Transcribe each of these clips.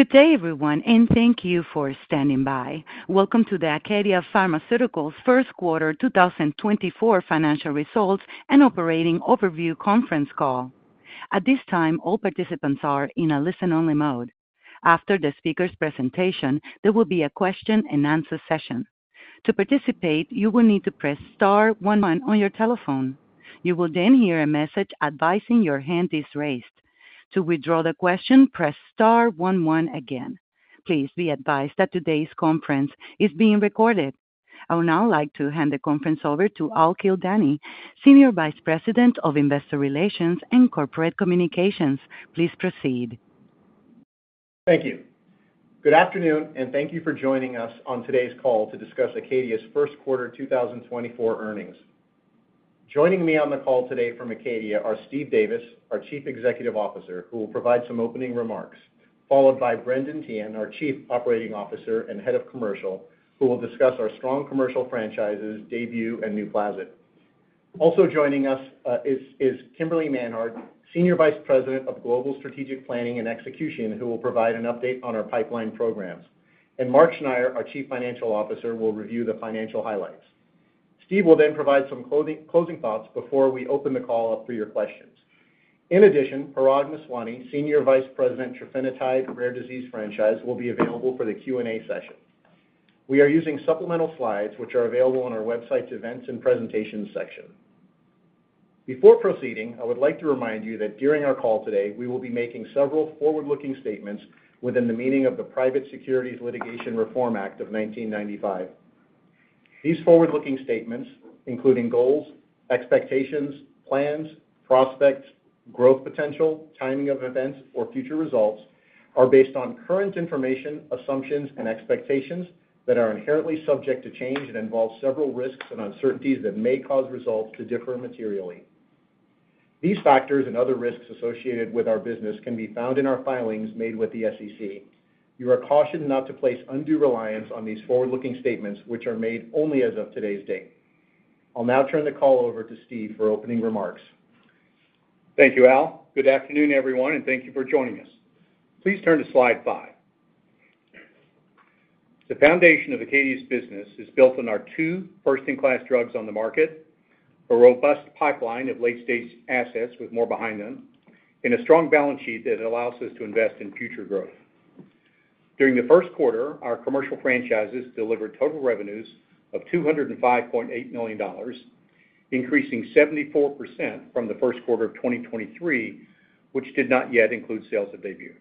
Good day everyone, and thank you for standing by. Welcome to the Acadia Pharmaceuticals first quarter 2024 financial results and operating overview conference call. At this time, all participants are in a listen-only mode. After the speaker's presentation, there will be a question-and-answer session. To participate, you will need to press star one one on your telephone. You will then hear a message advising your hand is raised. To withdraw the question, press star one one again. Please be advised that today's conference is being recorded. I would now like to hand the conference over to Al Kildani, Senior Vice President of Investor Relations and Corporate Communications. Please proceed. Thank you. Good afternoon, and thank you for joining us on today's call to discuss Acadia's first quarter 2024 earnings. Joining me on the call today from Acadia are Steve Davis, our Chief Executive Officer, who will provide some opening remarks, followed by Brendan Teehan, our Chief Operating Officer and Head of Commercial, who will discuss our strong commercial franchises, Daybue, and Nuplazid. Also joining us is Kimberly Manhard, Senior Vice President of Global Strategic Planning and Execution, who will provide an update on our pipeline programs, and Mark Schneyer, our Chief Financial Officer, will review the financial highlights. Steve will then provide some closing thoughts before we open the call up for your questions. In addition, Parag Meswani, Senior Vice President, Trofinetide Rare Disease Franchise, will be available for the Q&A session. We are using supplemental slides, which are available on our website's Events and Presentations section. Before proceeding, I would like to remind you that during our call today, we will be making several forward-looking statements within the meaning of the Private Securities Litigation Reform Act of 1995. These forward-looking statements, including goals, expectations, plans, prospects, growth potential, timing of events, or future results, are based on current information, assumptions, and expectations that are inherently subject to change and involve several risks and uncertainties that may cause results to differ materially. These factors and other risks associated with our business can be found in our filings made with the SEC. You are cautioned not to place undue reliance on these forward-looking statements, which are made only as of today's date. I'll now turn the call over to Steve for opening remarks. Thank you, Al. Good afternoon, everyone, and thank you for joining us. Please turn to slide five. The foundation of Acadia's business is built on our two first-in-class drugs on the market, a robust pipeline of late-stage assets with more behind them, and a strong balance sheet that allows us to invest in future growth. During the first quarter, our commercial franchises delivered total revenues of $205.8 million, increasing 74% from the first quarter of 2023, which did not yet include sales of Daybue.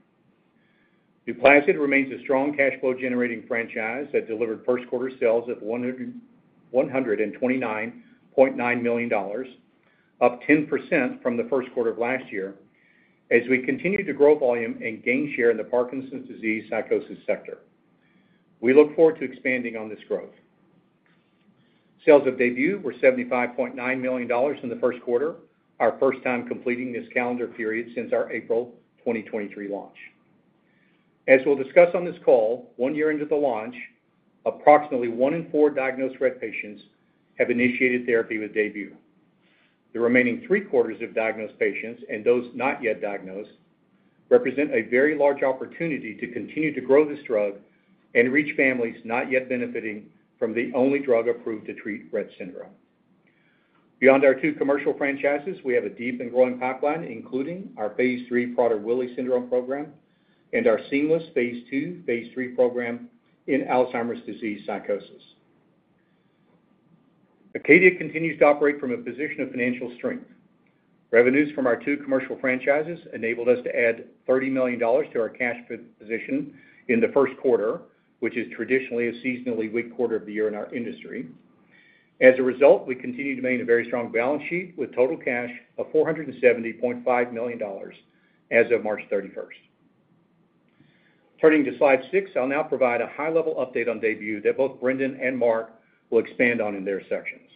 Nuplazid remains a strong cash flow-generating franchise that delivered first-quarter sales of $129.9 million, up 10% from the first quarter of last year, as we continue to grow volume and gain share in the Parkinson's disease psychosis sector. We look forward to expanding on this growth. Sales at Daybue were $75.9 million in the first quarter, our first time completing this calendar period since our April 2023 launch. As we'll discuss on this call, one year into the launch, approximately one in four diagnosed Rett patients have initiated therapy with Daybue. The remaining three quarters of diagnosed patients and those not yet diagnosed represent a very large opportunity to continue to grow this drug and reach families not yet benefiting from the only drug approved to treat Rett syndrome. Beyond our two commercial franchises, we have a deep and growing pipeline, including our phase III Prader-Willi syndrome program and our seamless phase II, phase III program in Alzheimer's disease psychosis. ACADIA continues to operate from a position of financial strength. Revenues from our two commercial franchises enabled us to add $30 million to our cash position in the first quarter, which is traditionally a seasonally weak quarter of the year in our industry. As a result, we continue to maintain a very strong balance sheet with total cash of $470.5 million as of March 31st. Turning to slide six, I'll now provide a high-level update on Daybue that both Brendan and Mark will expand on in their sections.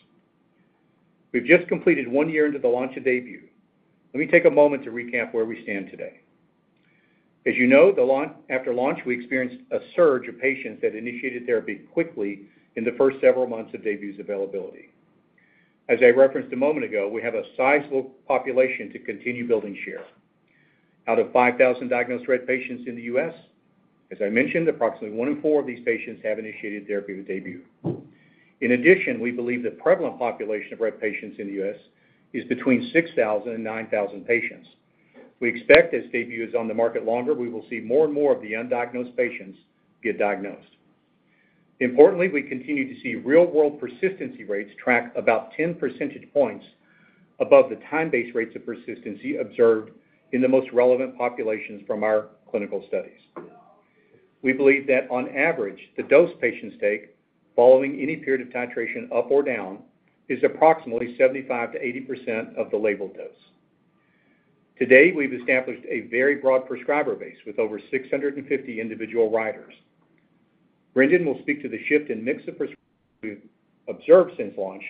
We've just completed one year into the launch of Daybue. Let me take a moment to recap where we stand today. As you know, after launch, we experienced a surge of patients that initiated therapy quickly in the first several months of Daybue's availability. As I referenced a moment ago, we have a sizable population to continue building share. Out of 5,000 diagnosed Rett patients in the U.S., as I mentioned, approximately one in four of these patients have initiated therapy with Daybue. In addition, we believe the prevalent population of Rett patients in the U.S. is between 6,000 and 9,000 patients. We expect, as Daybue is on the market longer, we will see more and more of the undiagnosed patients get diagnosed. Importantly, we continue to see real-world persistency rates track about 10 pp above the time-based rates of persistency observed in the most relevant populations from our clinical studies. We believe that, on average, the dose patients take following any period of titration up or down is approximately 75%-80% of the labeled dose. Today, we've established a very broad prescriber base with over 650 individual writers. Brendan will speak to the shift in mix of prescriptions we've observed since launch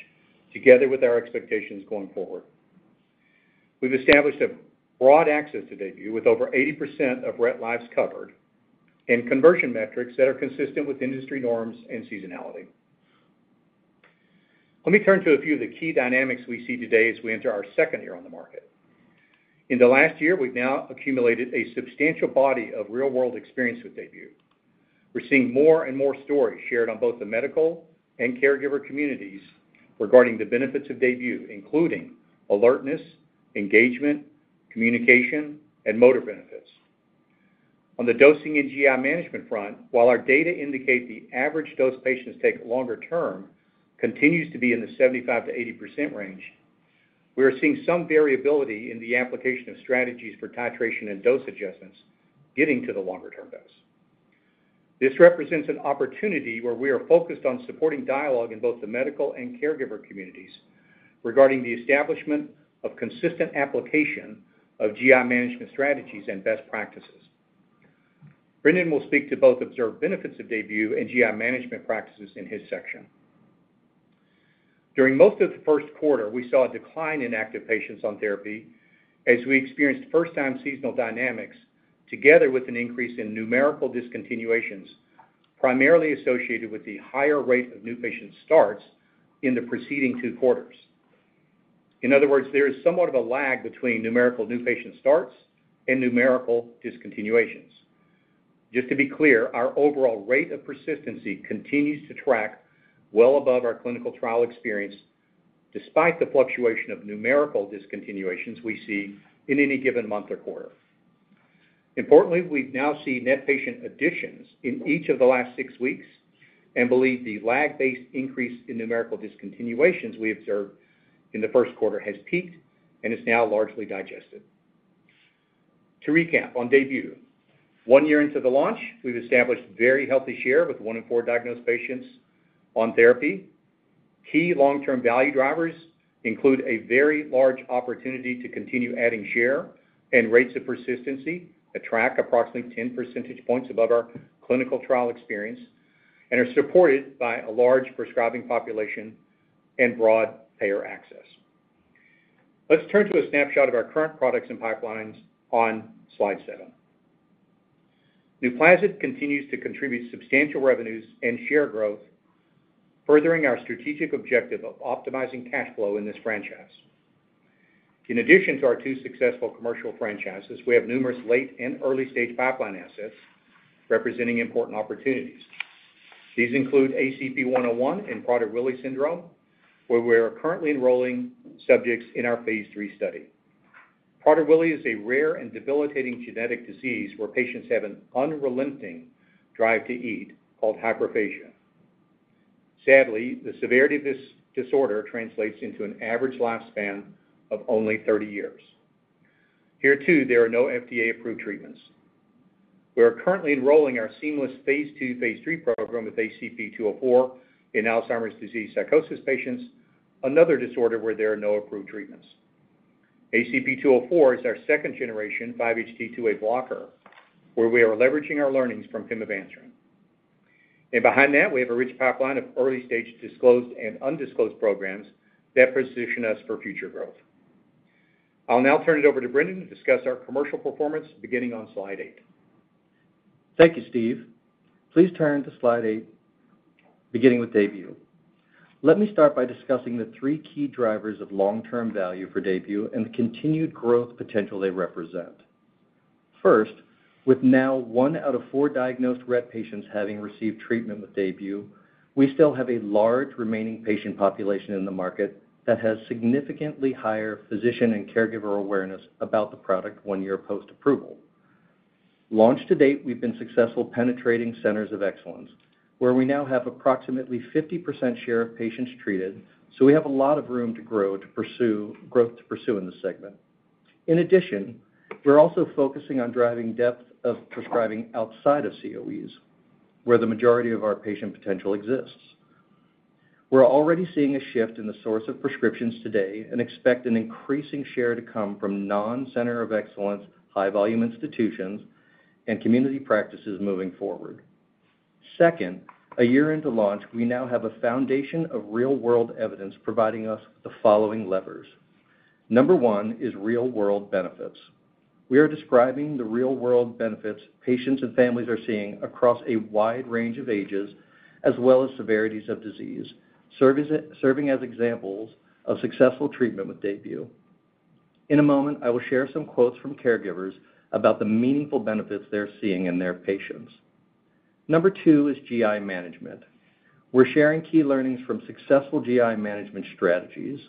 together with our expectations going forward. We've established a broad access to Daybue with over 80% of Rett lives covered and conversion metrics that are consistent with industry norms and seasonality. Let me turn to a few of the key dynamics we see today as we enter our second year on the market. In the last year, we've now accumulated a substantial body of real-world experience with Daybue. We're seeing more and more stories shared on both the medical and caregiver communities regarding the benefits of Daybue, including alertness, engagement, communication, and motor benefits. On the dosing and GI management front, while our data indicate the average dose patients take longer-term continues to be in the 75%-80% range, we are seeing some variability in the application of strategies for titration and dose adjustments getting to the longer-term dose. This represents an opportunity where we are focused on supporting dialogue in both the medical and caregiver communities regarding the establishment of consistent application of GI management strategies and best practices. Brendan will speak to both observed benefits of Daybue and GI management practices in his section. During most of the first quarter, we saw a decline in active patients on therapy as we experienced first-time seasonal dynamics together with an increase in numerical discontinuations primarily associated with the higher rate of new patient starts in the preceding two quarters. In other words, there is somewhat of a lag between numerical new patient starts and numerical discontinuations. Just to be clear, our overall rate of persistency continues to track well above our clinical trial experience despite the fluctuation of numerical discontinuations we see in any given month or quarter. Importantly, we now see net patient additions in each of the last six weeks and believe the lag-based increase in numerical discontinuations we observed in the first quarter has peaked and is now largely digested. To recap on Daybue, one year into the launch, we've established very healthy share with one in four diagnosed patients on therapy. Key long-term value drivers include a very large opportunity to continue adding share and rates of persistency that track approximately 10 pp above our clinical trial experience and are supported by a large prescribing population and broad payer access. Let's turn to a snapshot of our current products and pipelines on slide seven. Nuplazid continues to contribute substantial revenues and share growth, furthering our strategic objective of optimizing cash flow in this franchise. In addition to our two successful commercial franchises, we have numerous late- and early-stage pipeline assets representing important opportunities. These include ACP-101 and Prader-Willi syndrome, where we are currently enrolling subjects in our phase III study. Prader-Willi is a rare and debilitating genetic disease where patients have an unrelenting drive to eat called hyperphagia. Sadly, the severity of this disorder translates into an average lifespan of only 30 years. Here, too, there are no FDA-approved treatments. We are currently enrolling our seamless phase II/III program with ACP-204 in Alzheimer's disease psychosis patients, another disorder where there are no approved treatments. ACP-204 is our second-generation 5-HT2A blocker, where we are leveraging our learnings from pimavanserin. Behind that, we have a rich pipeline of early-stage disclosed and undisclosed programs that position us for future growth. I'll now turn it over to Brendan to discuss our commercial performance beginning on slide 8. Thank you, Steve. Please turn to slide eight beginning with Daybue. Let me start by discussing the three key drivers of long-term value for Daybue and the continued growth potential they represent. First, with now one out of four diagnosed Rett patients having received treatment with Daybue, we still have a large remaining patient population in the market that has significantly higher physician and caregiver awareness about the product one year post-approval. Launch to date, we've been successful penetrating Centers of Excellence, where we now have approximately 50% share of patients treated, so we have a lot of room to grow to pursue growth in this segment. In addition, we're also focusing on driving depth of prescribing outside of COEs, where the majority of our patient potential exists. We're already seeing a shift in the source of prescriptions today and expect an increasing share to come from non-Center of Excellence high-volume institutions and community practices moving forward. Second, a year into launch, we now have a foundation of real-world evidence providing us with the following levers. Number one is real-world benefits. We are describing the real-world benefits patients and families are seeing across a wide range of ages as well as severities of disease, serving as examples of successful treatment with Daybue. In a moment, I will share some quotes from caregivers about the meaningful benefits they're seeing in their patients. Number two is GI management. We're sharing key learnings from successful GI management strategies.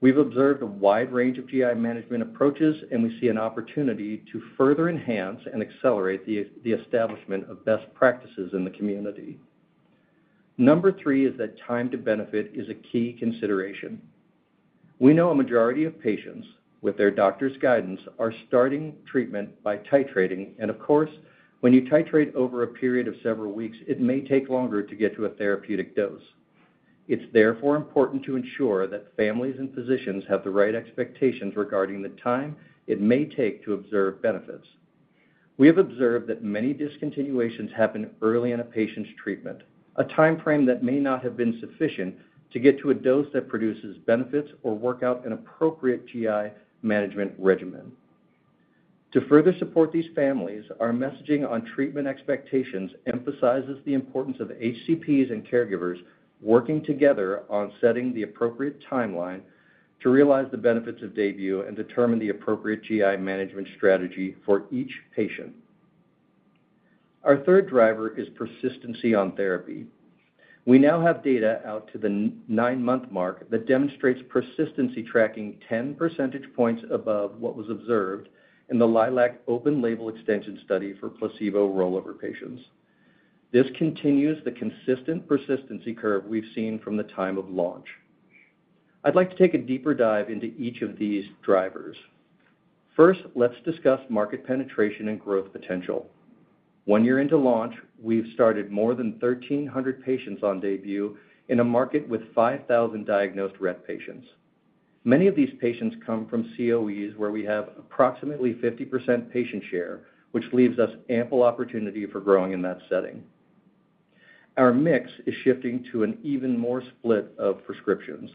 We've observed a wide range of GI management approaches, and we see an opportunity to further enhance and accelerate the establishment of best practices in the community. Number three is that time to benefit is a key consideration. We know a majority of patients, with their doctor's guidance, are starting treatment by titrating. Of course, when you titrate over a period of several weeks, it may take longer to get to a therapeutic dose. It's therefore important to ensure that families and physicians have the right expectations regarding the time it may take to observe benefits. We have observed that many discontinuations happen early in a patient's treatment, a time frame that may not have been sufficient to get to a dose that produces benefits or work out an appropriate GI management regimen. To further support these families, our messaging on treatment expectations emphasizes the importance of HCPs and caregivers working together on setting the appropriate timeline to realize the benefits of Daybue and determine the appropriate GI management strategy for each patient. Our third driver is persistency on therapy. We now have data out to the nine-month mark that demonstrates persistency tracking 10 pp above what was observed in the LILAC Open Label Extension study for placebo rollover patients. This continues the consistent persistency curve we've seen from the time of launch. I'd like to take a deeper dive into each of these drivers. First, let's discuss market penetration and growth potential. One year into launch, we've started more than 1,300 patients on Daybue in a market with 5,000 diagnosed Rett patients. Many of these patients come from COEs, where we have approximately 50% patient share, which leaves us ample opportunity for growing in that setting. Our mix is shifting to an even more split of prescriptions,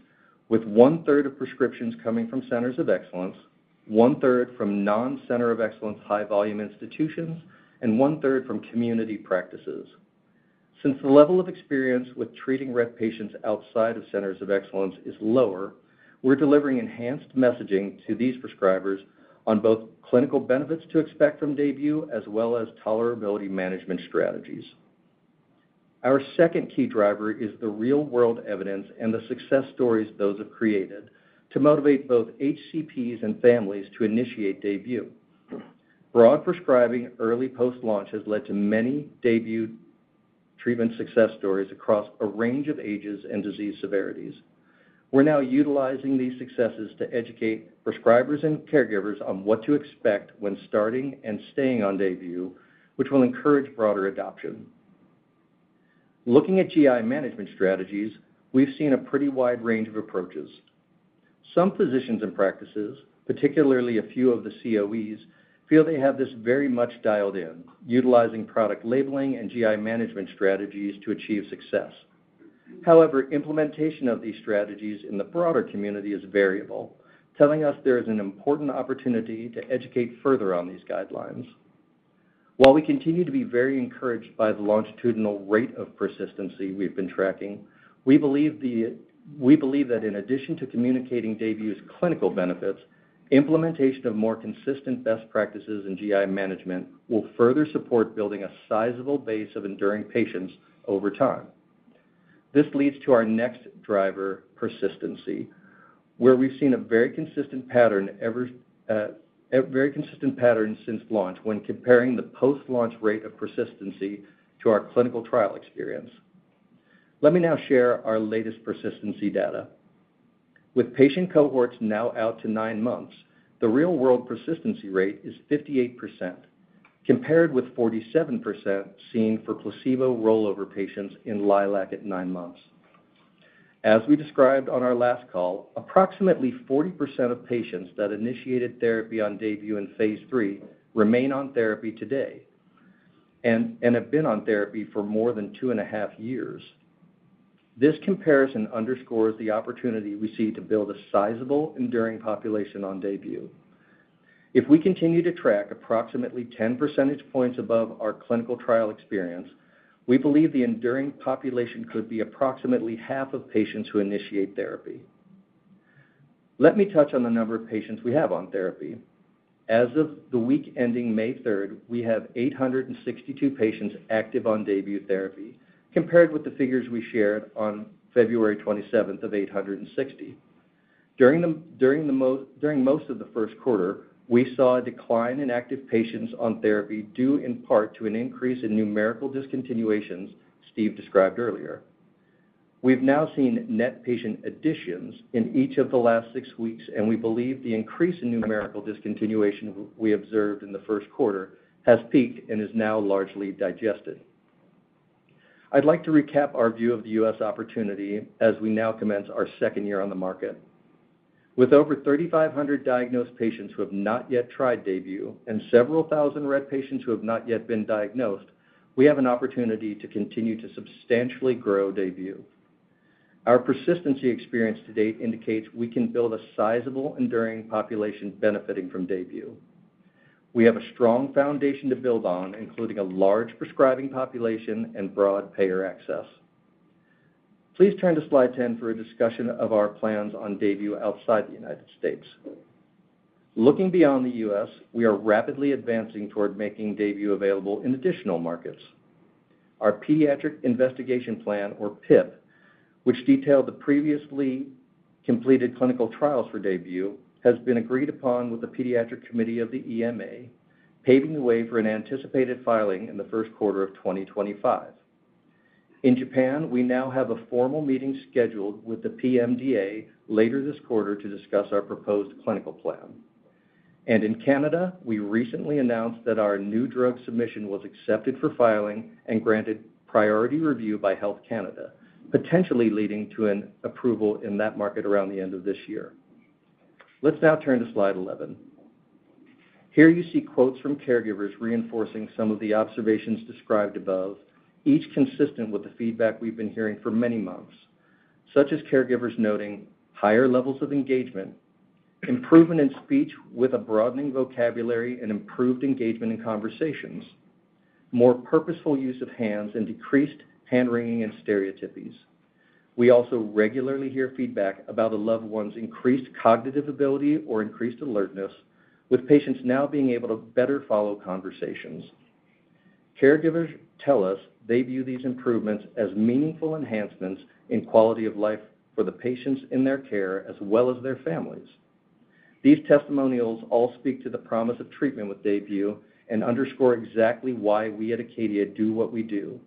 with one-third of prescriptions coming from centers of excellence, one-third from non-center of excellence high-volume institutions, and one-third from community practices. Since the level of experience with treating Rett patients outside of Centers of Excellence is lower, we're delivering enhanced messaging to these prescribers on both clinical benefits to expect from Daybue as well as tolerability management strategies. Our second key driver is the real-world evidence and the success stories those have created to motivate both HCPs and families to initiate Daybue. Broad prescribing early post-launch has led to many Daybue treatment success stories across a range of ages and disease severities. We're now utilizing these successes to educate prescribers and caregivers on what to expect when starting and staying on Daybue, which will encourage broader adoption. Looking at GI management strategies, we've seen a pretty wide range of approaches. Some physicians and practices, particularly a few of the COEs, feel they have this very much dialed in, utilizing product labeling and GI management strategies to achieve success. However, implementation of these strategies in the broader community is variable, telling us there is an important opportunity to educate further on these guidelines. While we continue to be very encouraged by the longitudinal rate of persistency we've been tracking, we believe that in addition to communicating Daybue's clinical benefits, implementation of more consistent best practices in GI management will further support building a sizable base of enduring patients over time. This leads to our next driver, persistency, where we've seen a very consistent pattern since launch when comparing the post-launch rate of persistency to our clinical trial experience. Let me now share our latest persistency data. With patient cohorts now out to nine months, the real-world persistency rate is 58% compared with 47% seen for placebo rollover patients in LILAC at nine months. As we described on our last call, approximately 40% of patients that initiated therapy on Daybue in phase III remain on therapy today and have been on therapy for more than two and a half years. This comparison underscores the opportunity we see to build a sizable enduring population on Daybue. If we continue to track approximately 10 pp above our clinical trial experience, we believe the enduring population could be approximately half of patients who initiate therapy. Let me touch on the number of patients we have on therapy. As of the week ending May 3rd, we have 862 patients active on Daybue therapy compared with the figures we shared on February 27th of 860. During most of the first quarter, we saw a decline in active patients on therapy due in part to an increase in natural discontinuations Steve described earlier. We've now seen net patient additions in each of the last 6 weeks, and we believe the increase in numerical discontinuation we observed in the first quarter has peaked and is now largely digested. I'd like to recap our view of the U.S. opportunity as we now commence our second year on the market. With over 3,500 diagnosed patients who have not yet tried Daybue and several thousand Rett patients who have not yet been diagnosed, we have an opportunity to continue to substantially grow Daybue. Our persistency experience to date indicates we can build a sizable enduring population benefiting from Daybue. We have a strong foundation to build on, including a large prescribing population and broad payer access. Please turn to slide 10 for a discussion of our plans on Daybue outside the United States. Looking beyond the U.S., we are rapidly advancing toward making Daybue available in additional markets. Our Pediatric Investigation Plan, or PIP, which detailed the previously completed clinical trials for Daybue, has been agreed upon with the Pediatric Committee of the EMA, paving the way for an anticipated filing in the first quarter of 2025. In Japan, we now have a formal meeting scheduled with the PMDA later this quarter to discuss our proposed clinical plan. In Canada, we recently announced that our New Drug Submission was accepted for filing and granted priority review by Health Canada, potentially leading to an approval in that market around the end of this year. Let's now turn to slide 11. Here, you see quotes from caregivers reinforcing some of the observations described above, each consistent with the feedback we've been hearing for many months, such as caregivers noting higher levels of engagement, improvement in speech with a broadening vocabulary and improved engagement in conversations, more purposeful use of hands, and decreased hand-wringing and stereotypies. We also regularly hear feedback about a loved one's increased cognitive ability or increased alertness, with patients now being able to better follow conversations. Caregivers tell us they view these improvements as meaningful enhancements in quality of life for the patients in their care as well as their families. These testimonials all speak to the promise of treatment with Daybue and underscore exactly why we at ACADIA do what we do: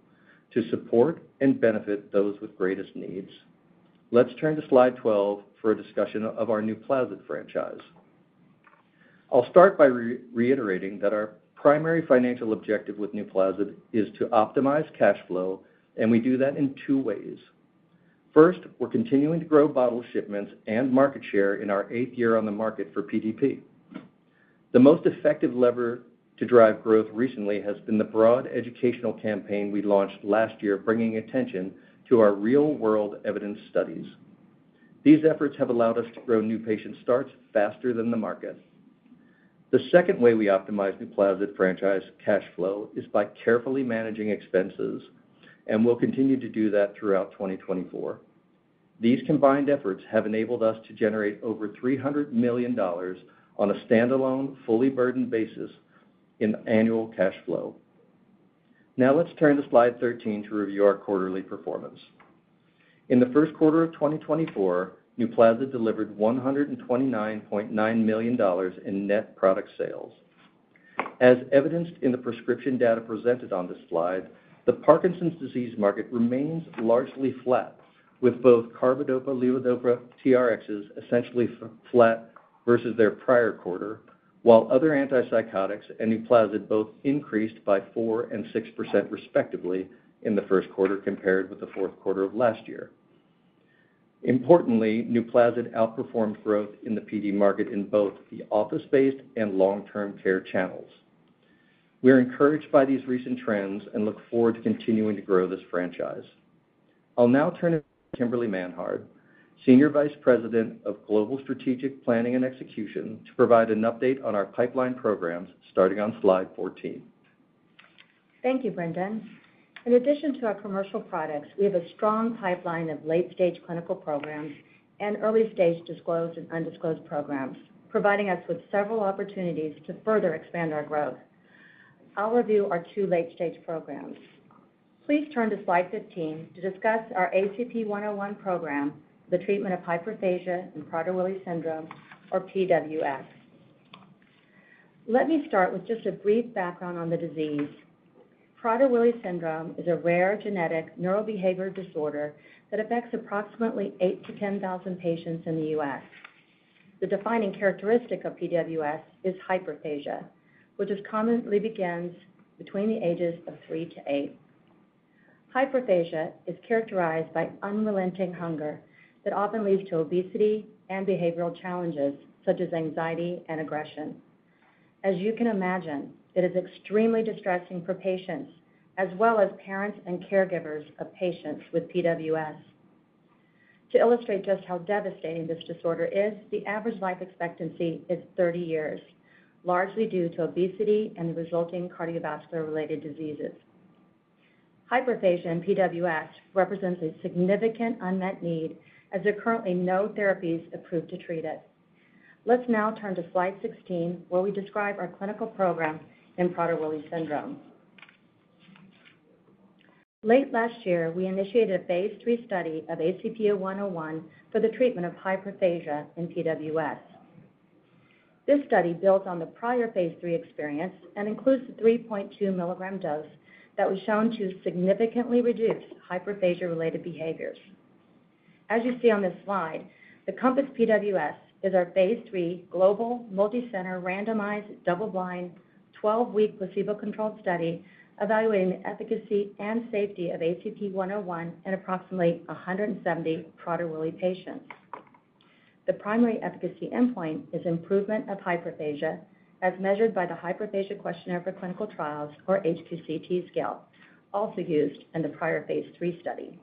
to support and benefit those with greatest needs. Let's turn to slide 12 for a discussion of our Nuplazid franchise. I'll start by reiterating that our primary financial objective with Nuplazid is to optimize cash flow, and we do that in two ways. First, we're continuing to grow bottle shipments and market share in our eighth year on the market for PDP. The most effective lever to drive growth recently has been the broad educational campaign we launched last year, bringing attention to our real-world evidence studies. These efforts have allowed us to grow new patient starts faster than the market. The second way we optimize Nuplazid franchise cash flow is by carefully managing expenses, and we'll continue to do that throughout 2024. These combined efforts have enabled us to generate over $300 million on a standalone, fully burdened basis in annual cash flow. Now, let's turn to slide 13 to review our quarterly performance. In the first quarter of 2024, Nuplazid delivered $129.9 million in net product sales. As evidenced in the prescription data presented on this slide, the Parkinson's disease market remains largely flat, with both carbidopa-levodopa TRXs essentially flat versus their prior quarter, while other antipsychotics and Nuplazid both increased by 4% and 6% respectively in the first quarter compared with the fourth quarter of last year. Importantly, Nuplazid outperformed growth in the PD market in both the office-based and long-term care channels. We are encouraged by these recent trends and look forward to continuing to grow this franchise. I'll now turn to Kimberly Manhard, Senior VP of Global Strategic Planning and Execution, to provide an update on our pipeline programs starting on slide 14. Thank you, Brendan. In addition to our commercial products, we have a strong pipeline of late-stage clinical programs and early-stage disclosed and undisclosed programs, providing us with several opportunities to further expand our growth. I'll review our two late-stage programs. Please turn to slide 15 to discuss our ACP-101 program, the treatment of hyperphagia and Prader-Willi syndrome, or PWS. Let me start with just a brief background on the disease. Prader-Willi syndrome is a rare genetic neurobehavioral disorder that affects approximately 8,000-10,000 patients in the U.S. The defining characteristic of PWS is hyperphagia, which commonly begins between the ages of 3-8. Hyperphagia is characterized by unrelenting hunger that often leads to obesity and behavioral challenges such as anxiety and aggression. As you can imagine, it is extremely distressing for patients as well as parents and caregivers of patients with PWS. To illustrate just how devastating this disorder is, the average life expectancy is 30 years, largely due to obesity and the resulting cardiovascular-related diseases. Hyperphagia and PWS represents a significant unmet need, as there are currently no therapies approved to treat it. Let's now turn to slide 16, where we describe our clinical program in Prader-Willi syndrome. Late last year, we initiated a Phase III study of ACP-101 for the treatment of hyperphagia in PWS. This study built on the prior Phase III experience and includes the 3.2 milligram dose that was shown to significantly reduce hyperphagia-related behaviors. As you see on this slide, the COMPASS PWS is our Phase III global multicenter randomized double-blind 12-week placebo-controlled study evaluating the efficacy and safety of ACP-101 in approximately 170 Prader-Willi patients. The primary efficacy endpoint is improvement of hyperphagia, as measured by the Hyperphagia Questionnaire for Clinical Trials, or HQCT scale, also used in the prior phase III study.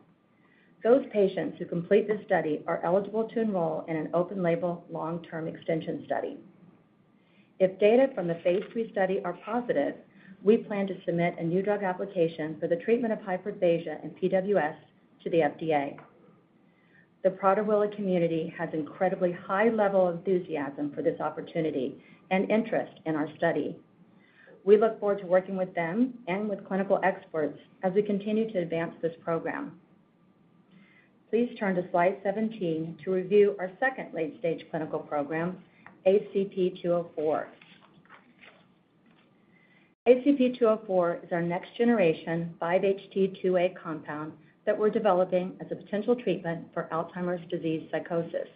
Those patients who complete this study are eligible to enroll in an open-label long-term extension study. If data from the phase III study are positive, we plan to submit a new drug application for the treatment of hyperphagia and PWS to the FDA. The Prader-Willi community has an incredibly high level of enthusiasm for this opportunity and interest in our study. We look forward to working with them and with clinical experts as we continue to advance this program. Please turn to slide 17 to review our second late-stage clinical program, ACP-204. ACP-204 is our next-generation 5-HT2A compound that we're developing as a potential treatment for Alzheimer's disease psychosis.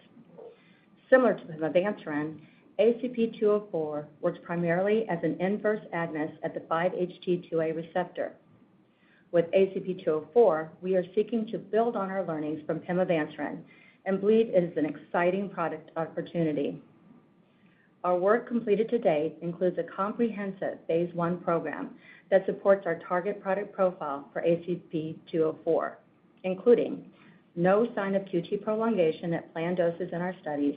Similar to pimavanserin, ACP-204 works primarily as an inverse agonist at the 5-HT2A receptor. With ACP-204, we are seeking to build on our learnings from pimavanserin and believe it is an exciting product opportunity. Our work completed to date includes a comprehensive phase I program that supports our target product profile for ACP-204, including no sign of QT prolongation at planned doses in our studies,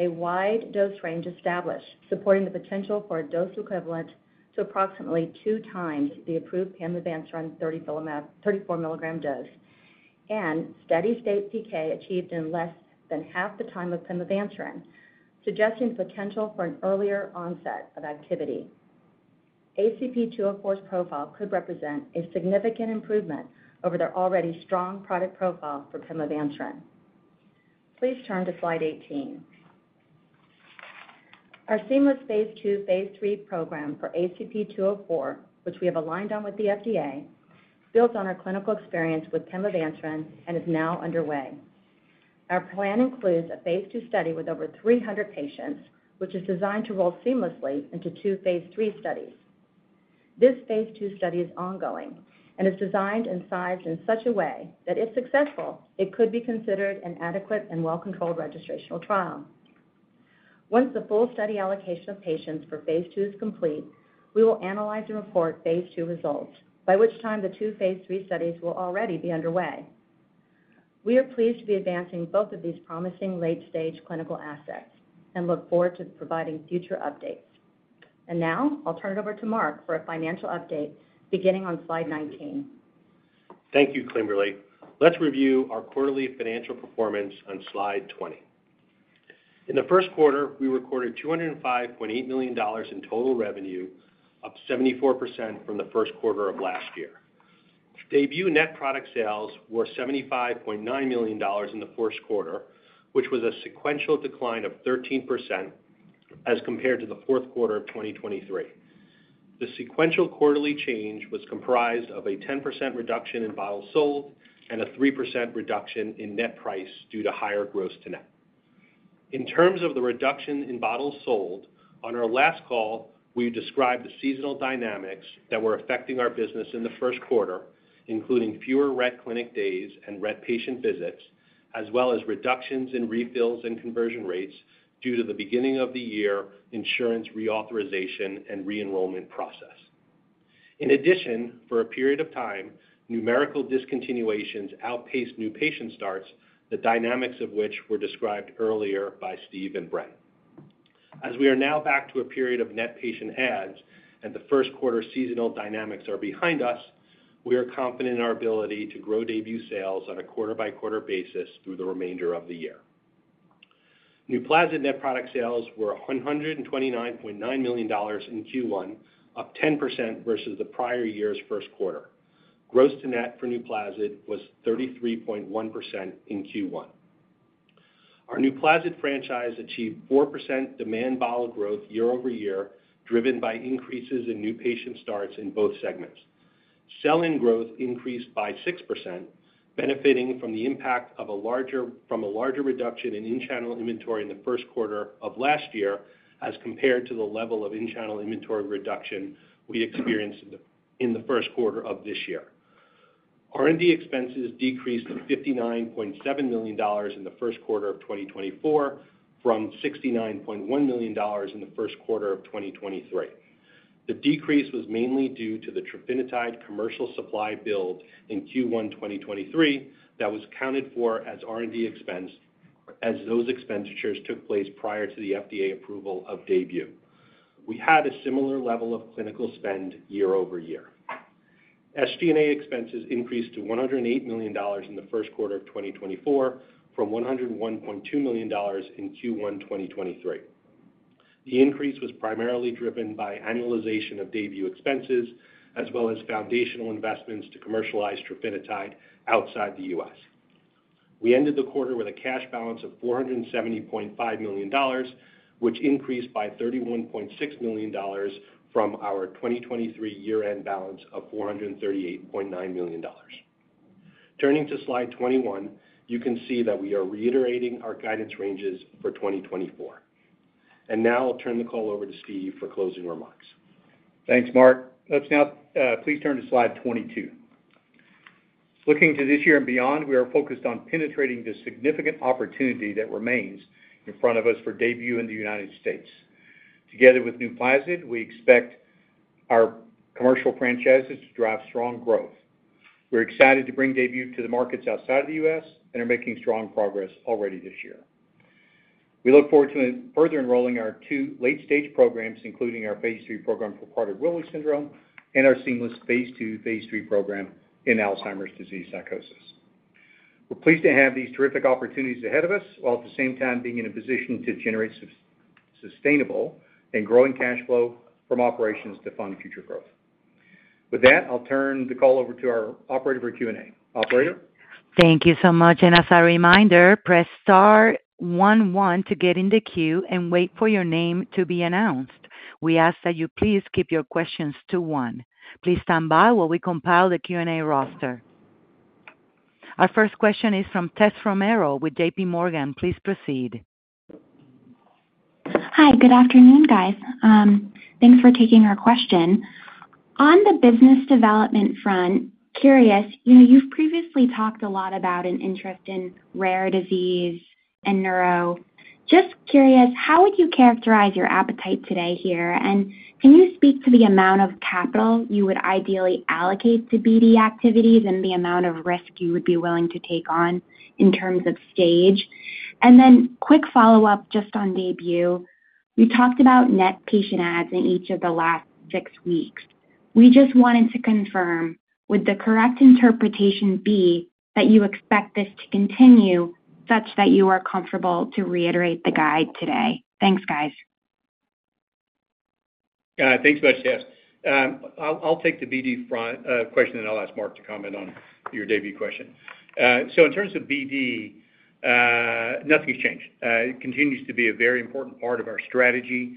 a wide dose range established supporting the potential for a dose equivalent to approximately two times the approved pimavanserin 34-milligram dose, and steady state PK achieved in less than half the time of pimavanserin, suggesting the potential for an earlier onset of activity. ACP-204's profile could represent a significant improvement over their already strong product profile for pimavanserin. Please turn to slide 18. Our seamless phase II, phase III program for ACP-204, which we have aligned on with the FDA, builds on our clinical experience with pimavanserin and is now underway. Our plan includes a phase II study with over 300 patients, which is designed to roll seamlessly into two phase III studies. This phase II study is ongoing and is designed and sized in such a way that, if successful, it could be considered an adequate and well-controlled registrational trial. Once the full study allocation of patients for phase II is complete, we will analyze and report phase II results, by which time the two phase III studies will already be underway. We are pleased to be advancing both of these promising late-stage clinical assets and look forward to providing future updates. Now, I'll turn it over to Mark for a financial update beginning on slide 19. Thank you, Kimberly. Let's review our quarterly financial performance on slide 20. In the first quarter, we recorded $205.8 million in total revenue, up 74% from the first quarter of last year. Daybue net product sales were $75.9 million in the first quarter, which was a sequential decline of 13% as compared to the fourth quarter of 2023. The sequential quarterly change was comprised of a 10% reduction in bottles sold and a 3% reduction in net price due to higher gross-to-net. In terms of the reduction in bottles sold, on our last call, we described the seasonal dynamics that were affecting our business in the first quarter, including fewer Rett clinic days and Rett patient visits, as well as reductions in refills and conversion rates due to the beginning of the year insurance reauthorization and re-enrollment process. In addition, for a period of time, numerical discontinuations outpaced new patient starts, the dynamics of which were described earlier by Steve and Brendan. As we are now back to a period of net patient adds and the first quarter seasonal dynamics are behind us, we are confident in our ability to grow Daybue sales on a quarter-by-quarter basis through the remainder of the year. Nuplazid net product sales were $129.9 million in Q1, up 10% versus the prior year's first quarter. Gross-to-net for Nuplazid was 33.1% in Q1. Our Nuplazid franchise achieved 4% demand bottle growth year-over-year, driven by increases in new patient starts in both segments. Sell-in growth increased by 6%, benefiting from the impact of a larger reduction in in-channel inventory in the first quarter of last year as compared to the level of in-channel inventory reduction we experienced in the first quarter of this year. R&D expenses decreased $59.7 million in the first quarter of 2024 from $69.1 million in the first quarter of 2023. The decrease was mainly due to the trofinetide commercial supply build in Q1 2023 that was counted for as R&D expense as those expenditures took place prior to the FDA approval of Daybue. We had a similar level of clinical spend year-over-year. SG&A expenses increased to $108 million in the first quarter of 2024 from $101.2 million in Q1 2023. The increase was primarily driven by annualization of Daybue expenses as well as foundational investments to commercialize trofinetide outside the U.S. We ended the quarter with a cash balance of $470.5 million, which increased by $31.6 million from our 2023 year-end balance of $438.9 million. Turning to slide 21, you can see that we are reiterating our guidance ranges for 2024. Now, I'll turn the call over to Steve for closing remarks. Thanks, Mark. Let's now please turn to slide 22. Looking to this year and beyond, we are focused on penetrating the significant opportunity that remains in front of us for Daybue in the United States. Together with Nuplazid, we expect our commercial franchises to drive strong growth. We're excited to bring Daybue to the markets outside of the U.S. and are making strong progress already this year. We look forward to further enrolling our two late-stage programs, including our phase III program for Prader-Willi syndrome and our seamless phase II, phase III program in Alzheimer's disease psychosis. We're pleased to have these terrific opportunities ahead of us while at the same time being in a position to generate sustainable and growing cash flow from operations to fund future growth. With that, I'll turn the call over to our operator for Q&A. Operator? Thank you so much. As a reminder, press star one one to get in the queue and wait for your name to be announced. We ask that you please keep your questions to one. Please stand by while we compile the Q&A roster. Our first question is from Tessa Romero with JPMorgan. Please proceed. Hi. Good afternoon, guys. Thanks for taking our question. On the business development front, curious, you've previously talked a lot about an interest in rare disease and neuro. Just curious, how would you characterize your appetite today here? And can you speak to the amount of capital you would ideally allocate to BD activities and the amount of risk you would be willing to take on in terms of stage? And then quick follow-up just on Daybue. You talked about net patient adds in each of the last six weeks. We just wanted to confirm, would the correct interpretation be that you expect this to continue such that you are comfortable to reiterate the guide today? Thanks, guys. Thanks so much, Tess. I'll take the BD front question, and I'll ask Mark to comment on your Daybue question. So in terms of BD, nothing has changed. It continues to be a very important part of our strategy.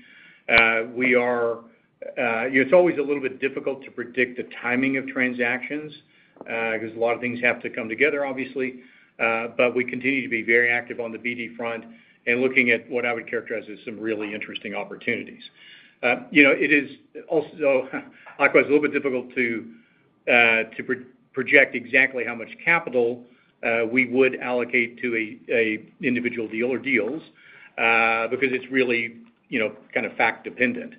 It's always a little bit difficult to predict the timing of transactions because a lot of things have to come together, obviously. But we continue to be very active on the BD front and looking at what I would characterize as some really interesting opportunities. It is also likewise a little bit difficult to project exactly how much capital we would allocate to an individual deal or deals because it's really kind of fact-dependent.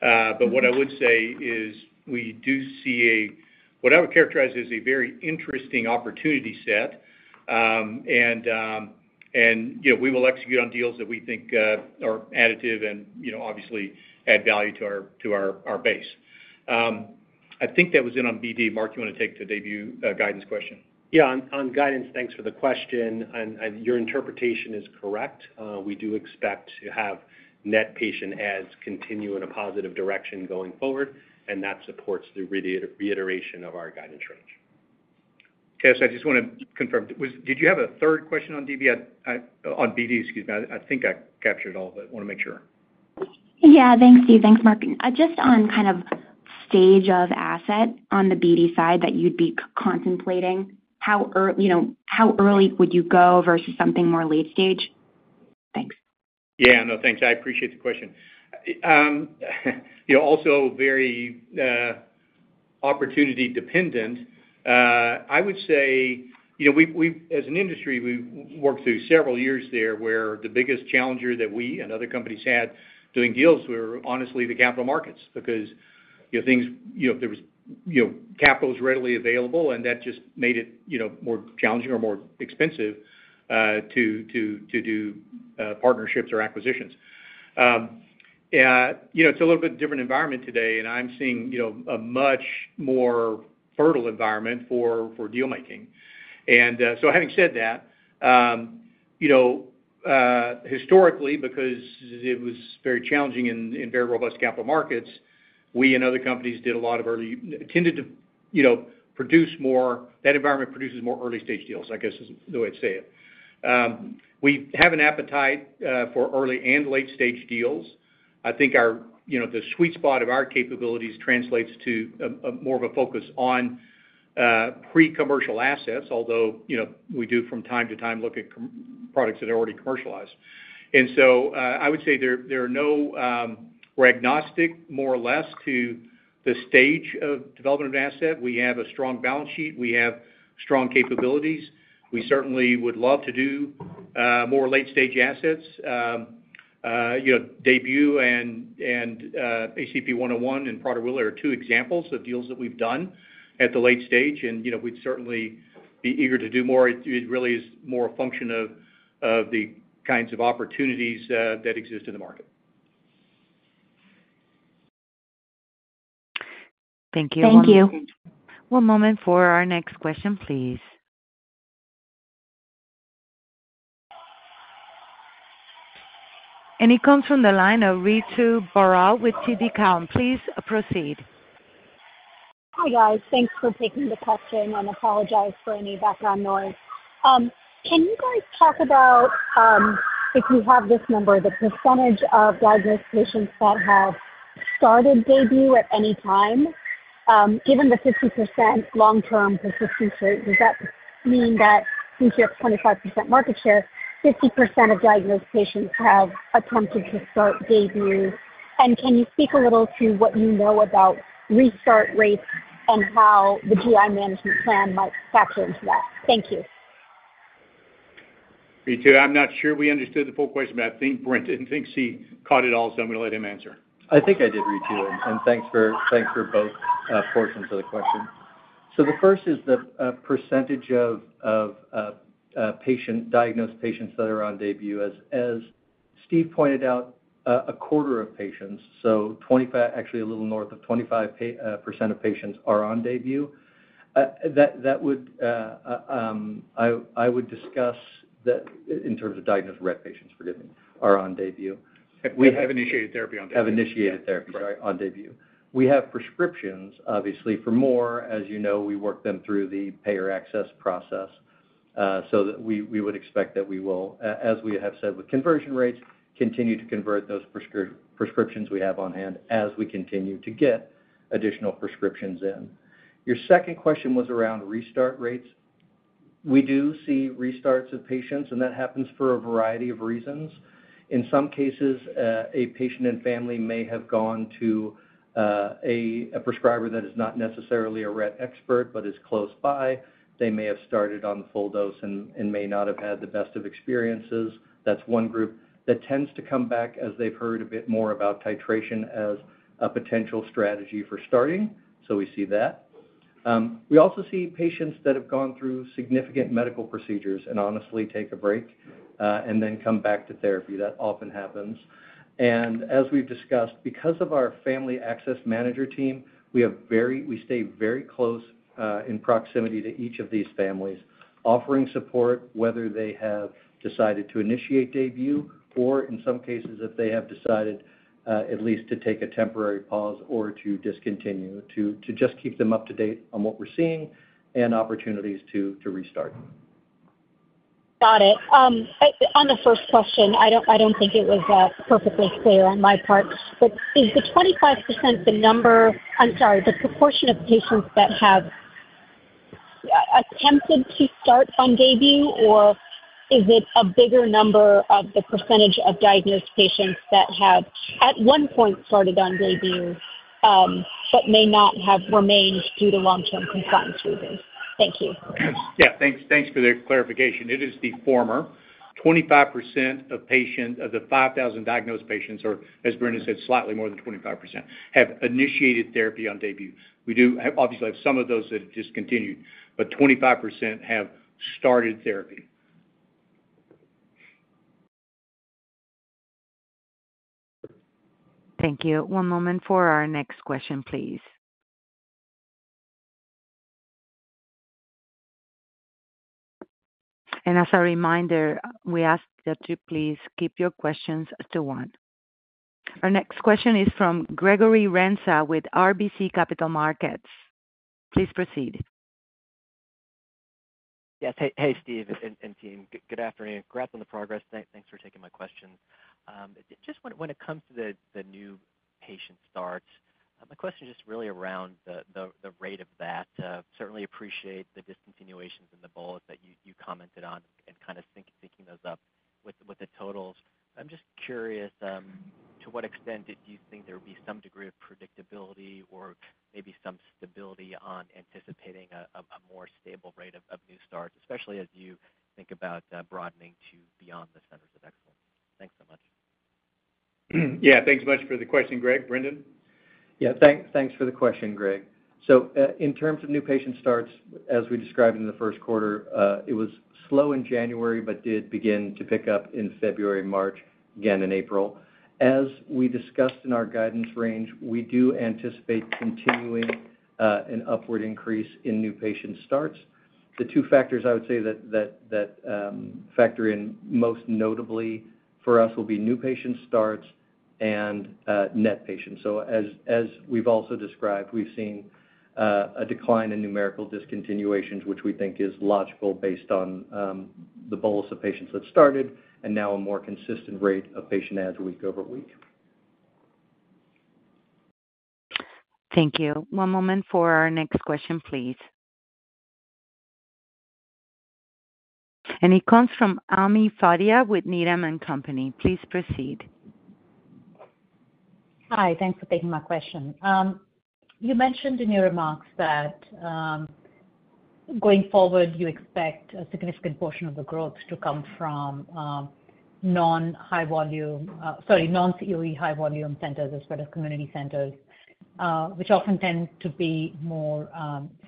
But what I would say is we do see what I would characterize as a very interesting opportunity set, and we will execute on deals that we think are additive and obviously add value to our base. I think that was it on BD. Mark, you want to take the Daybue guidance question? Yeah. On guidance, thanks for the question. Your interpretation is correct. We do expect to have net patient adds continue in a positive direction going forward, and that supports the reiteration of our guidance range. Yes, I just want to confirm. Did you have a third question on DB on BD? Excuse me. I think I captured all of it. I want to make sure. Yeah. Thanks, Steve. Thanks, Mark. Just on kind of stage of asset on the BD side that you'd be contemplating, how early would you go versus something more late-stage? Thanks. Yeah. No, thanks. I appreciate the question. Also, very opportunity-dependent. I would say, as an industry, we've worked through several years there where the biggest challenger that we and other companies had doing deals were, honestly, the capital markets because things there was capital was readily available, and that just made it more challenging or more expensive to do partnerships or acquisitions. It's a little bit different environment today, and I'm seeing a much more fertile environment for dealmaking. And so having said that, historically, because it was very challenging in very robust capital markets, we and other companies did a lot of early tended to produce more that environment produces more early-stage deals, I guess is the way to say it. We have an appetite for early and late-stage deals. I think the sweet spot of our capabilities translates to more of a focus on pre-commercial assets, although we do from time to time look at products that are already commercialized. So I would say we're agnostic, more or less, to the stage of development of an asset. We have a strong balance sheet. We have strong capabilities. We certainly would love to do more late-stage assets. Daybue and ACP-101 and Prader-Willi are two examples of deals that we've done at the late stage, and we'd certainly be eager to do more. It really is more a function of the kinds of opportunities that exist in the market. Thank you. Thank you. One moment for our next question, please. It comes from the line of Ritu Baral with TD Cowen. Please proceed. Hi, guys. Thanks for taking the question, and apologize for any background noise. Can you guys talk about, if we have this number, the percentage of diagnosed patients that have started Daybue at any time? Given the 50% long-term persistence rate, does that mean that since you have 25% market share, 50% of diagnosed patients have attempted to start Daybue? And can you speak a little to what you know about restart rates and how the GI management plan might factor into that? Thank you. Ritu, I'm not sure we understood the full question, but I think Brendan thinks he caught it all, so I'm going to let him answer. I think I did, Ritu. And thanks for both portions of the question. So the first is the percentage of diagnosed patients that are on Daybue. As Steve pointed out, a quarter of patients, so actually a little north of 25% of patients are on Daybue. I would discuss that in terms of diagnosed Rett patients, forgive me, are on Daybue. We have initiated therapy on Daybue. Have initiated therapy, sorry, on Daybue. We have prescriptions, obviously, for more. As you know, we work them through the payer access process, so we would expect that we will, as we have said with conversion rates, continue to convert those prescriptions we have on hand as we continue to get additional prescriptions in. Your second question was around restart rates. We do see restarts of patients, and that happens for a variety of reasons. In some cases, a patient and family may have gone to a prescriber that is not necessarily a Rett expert but is close by. They may have started on the full dose and may not have had the best of experiences. That's one group. That tends to come back as they've heard a bit more about titration as a potential strategy for starting, so we see that. We also see patients that have gone through significant medical procedures and honestly take a break and then come back to therapy. That often happens. And as we've discussed, because of our family access manager team, we stay very close in proximity to each of these families, offering support whether they have decided to initiate Daybue or, in some cases, if they have decided at least to take a temporary pause or to discontinue, to just keep them up to date on what we're seeing and opportunities to restart. Got it. On the first question, I don't think it was perfectly clear on my part. But is the 25% the number I'm sorry, the proportion of patients that have attempted to start on Daybue, or is it a bigger number of the percentage of diagnosed patients that have, at one point, started on Daybue but may not have remained due to long-term compliance reasons? Thank you. Yeah. Thanks for the clarification. It is the former. 25% of the 5,000 diagnosed patients or, as Brendan said, slightly more than 25% have initiated therapy on Daybue. We do obviously have some of those that have discontinued, but 25% have started therapy. Thank you. One moment for our next question, please. As a reminder, we ask that you please keep your questions to one. Our next question is from Gregory Renza with RBC Capital Markets. Please proceed. Yes. Hey, Steve and team. Good afternoon. Congrats on the progress. Thanks for taking my question. Just when it comes to the new patient starts, my question is just really around the rate of that. Certainly appreciate the discontinuations in the bullets that you commented on and kind of thinking those up with the totals. I'm just curious, to what extent do you think there would be some degree of predictability or maybe some stability on anticipating a more stable rate of new starts, especially as you think about broadening to beyond the centers of excellence? Thanks so much. Yeah. Thanks much for the question, Greg. Brendan? Yeah. Thanks for the question, Greg. So in terms of new patient starts, as we described in the first quarter, it was slow in January but did begin to pick up in February, March, again in April. As we discussed in our guidance range, we do anticipate continuing an upward increase in new patient starts. The two factors, I would say, that factor in most notably for us will be new patient starts and net patients. So as we've also described, we've seen a decline in numerical discontinuations, which we think is logical based on the bullets of patients that started and now a more consistent rate of patient adds week over week. Thank you. One moment for our next question, please. It comes from Ami Fadia with Needham & Company. Please proceed. Hi. Thanks for taking my question. You mentioned in your remarks that going forward, you expect a significant portion of the growth to come from non-COE high-volume centers as well as community centers, which often tend to be more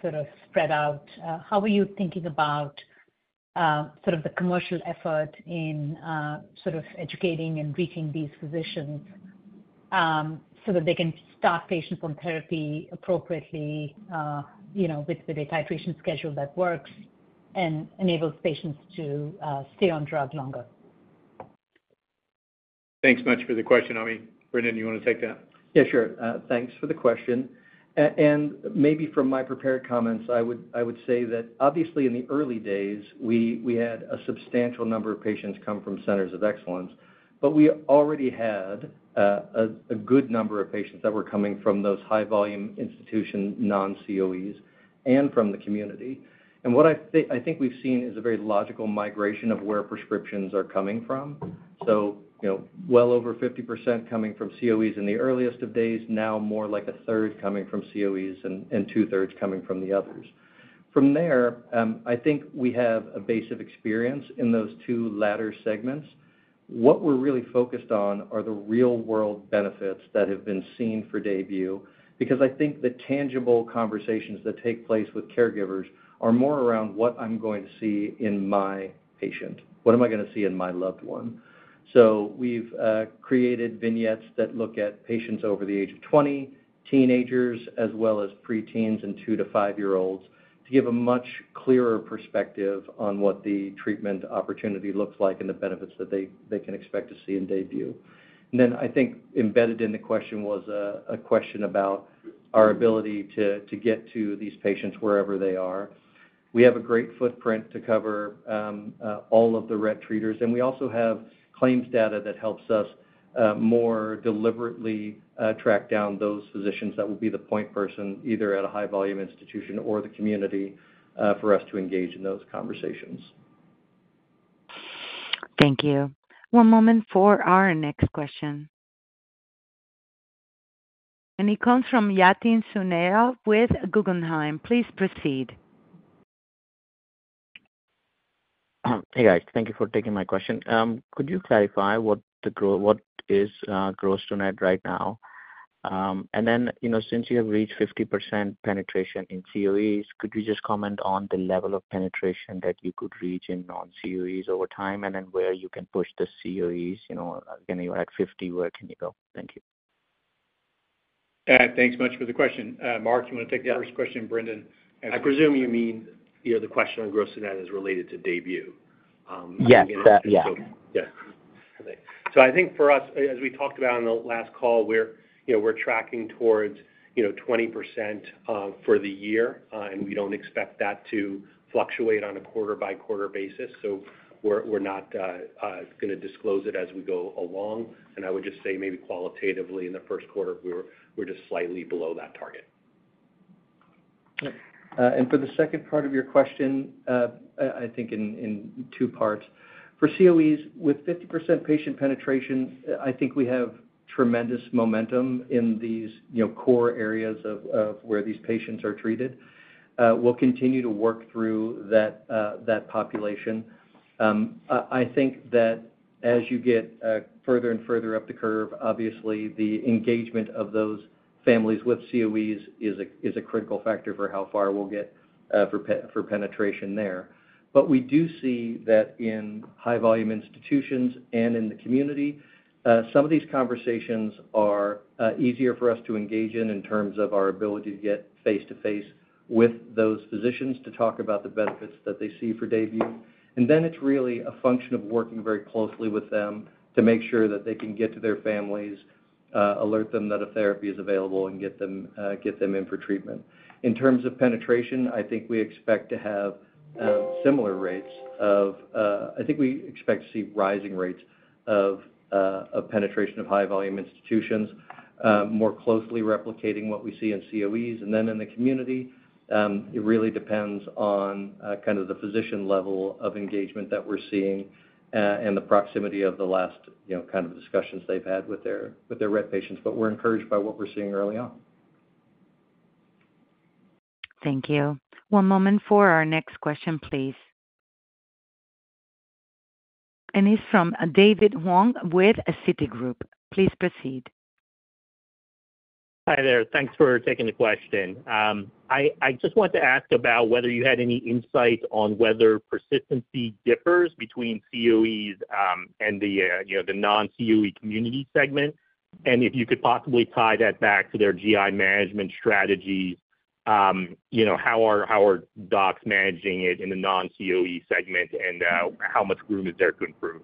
sort of spread out. How are you thinking about sort of the commercial effort in sort of educating and reaching these physicians so that they can start patients on therapy appropriately with a titration schedule that works and enables patients to stay on drug longer? Thanks much for the question, Amy. Brendan, you want to take that? Yeah. Sure. Thanks for the question. And maybe from my prepared comments, I would say that, obviously, in the early days, we had a substantial number of patients come from Centers of Excellence, but we already had a good number of patients that were coming from those high-volume institution non-COEs and from the community. And what I think we've seen is a very logical migration of where prescriptions are coming from. So well over 50% coming from COEs in the earliest of days, now more like a third coming from COEs and two-thirds coming from the others. From there, I think we have a base of experience in those two latter segments. What we're really focused on are the real-world benefits that have been seen for Daybue because I think the tangible conversations that take place with caregivers are more around what I'm going to see in my patient. What am I going to see in my loved one? So we've created vignettes that look at patients over the age of 20, teenagers, as well as preteens and 2-5-year-olds to give a much clearer perspective on what the treatment opportunity looks like and the benefits that they can expect to see in Daybue. And then I think embedded in the question was a question about our ability to get to these patients wherever they are. We have a great footprint to cover all of the Rett treaters, and we also have claims data that helps us more deliberately track down those physicians that will be the point person either at a high-volume institution or the community for us to engage in those conversations. Thank you. One moment for our next question. It comes from Yatin Suneja with Guggenheim. Please proceed. Hey, guys. Thank you for taking my question. Could you clarify what is gross-to-net right now? And then since you have reached 50% penetration in COEs, could you just comment on the level of penetration that you could reach in non-COEs over time and then where you can push the COEs? Again, you're at 50. Where can you go? Thank you. Yeah. Thanks much for the question. Mark, you want to take the first question? Brendan. Yeah. I presume you mean the question on gross-to-net is related to Daybue. Yes. Yeah. So I think for us, as we talked about in the last call, we're tracking towards 20% for the year, and we don't expect that to fluctuate on a quarter-by-quarter basis. So we're not going to disclose it as we go along. I would just say maybe qualitatively, in the first quarter, we're just slightly below that target. And for the second part of your question, I think in two parts, for COEs, with 50% patient penetration, I think we have tremendous momentum in these core areas of where these patients are treated. We'll continue to work through that population. I think that as you get further and further up the curve, obviously, the engagement of those families with COEs is a critical factor for how far we'll get for penetration there. But we do see that in high-volume institutions and in the community, some of these conversations are easier for us to engage in in terms of our ability to get face-to-face with those physicians to talk about the benefits that they see for Daybue. And then it's really a function of working very closely with them to make sure that they can get to their families, alert them that a therapy is available, and get them in for treatment. In terms of penetration, I think we expect to have similar rates of I think we expect to see rising rates of penetration of high-volume institutions, more closely replicating what we see in COEs. And then in the community, it really depends on kind of the physician level of engagement that we're seeing and the proximity of the last kind of discussions they've had with their Rett patients. But we're encouraged by what we're seeing early on. Thank you. One moment for our next question, please. It's from David Hoang with Citigroup. Please proceed. Hi there. Thanks for taking the question. I just want to ask about whether you had any insight on whether persistency differs between COEs and the non-COE community segment, and if you could possibly tie that back to their GI management strategies, how are docs managing it in the non-COE segment, and how much room is there to improve?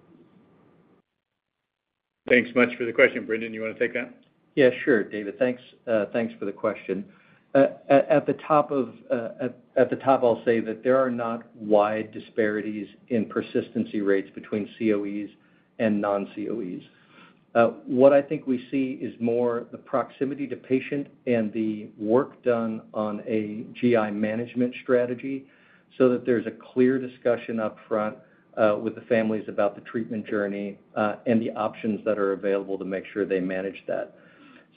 Thanks much for the question. Brendan, you want to take that? Yeah. Sure, David. Thanks for the question. At the top, I'll say that there are not wide disparities in persistency rates between COEs and non-COEs. What I think we see is more the proximity to patient and the work done on a GI management strategy so that there's a clear discussion up front with the families about the treatment journey and the options that are available to make sure they manage that.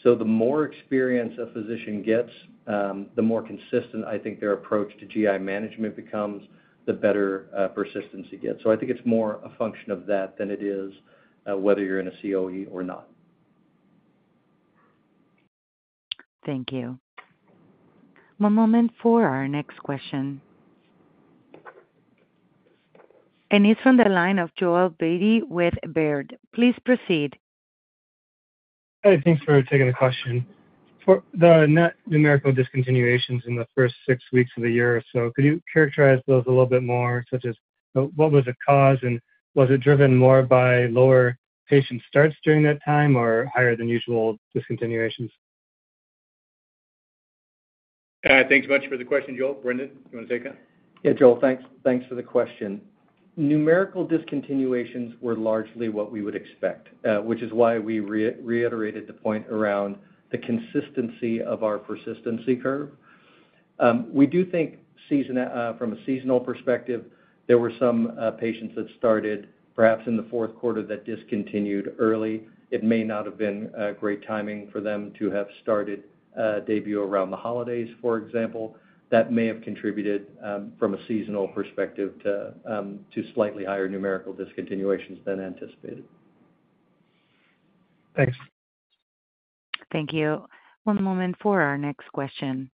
So the more experience a physician gets, the more consistent, I think, their approach to GI management becomes, the better persistency gets. So I think it's more a function of that than it is whether you're in a COE or not. Thank you. One moment for our next question. It's from the line of Joel Beatty with Baird. Please proceed. Hey. Thanks for taking the question. For the net numerical discontinuations in the first six weeks of the year or so, could you characterize those a little bit more, such as what was the cause, and was it driven more by lower patient starts during that time or higher-than-usual discontinuations? Thanks much for the question, Joel. Brendan, you want to take that? Yeah. Joel, thanks. Thanks for the question. Numerical discontinuations were largely what we would expect, which is why we reiterated the point around the consistency of our persistency curve. We do think, from a seasonal perspective, there were some patients that started perhaps in the fourth quarter that discontinued early. It may not have been great timing for them to have started Daybue around the holidays, for example. That may have contributed, from a seasonal perspective, to slightly higher numerical discontinuations than anticipated. Thanks. Thank you. One moment for our next question.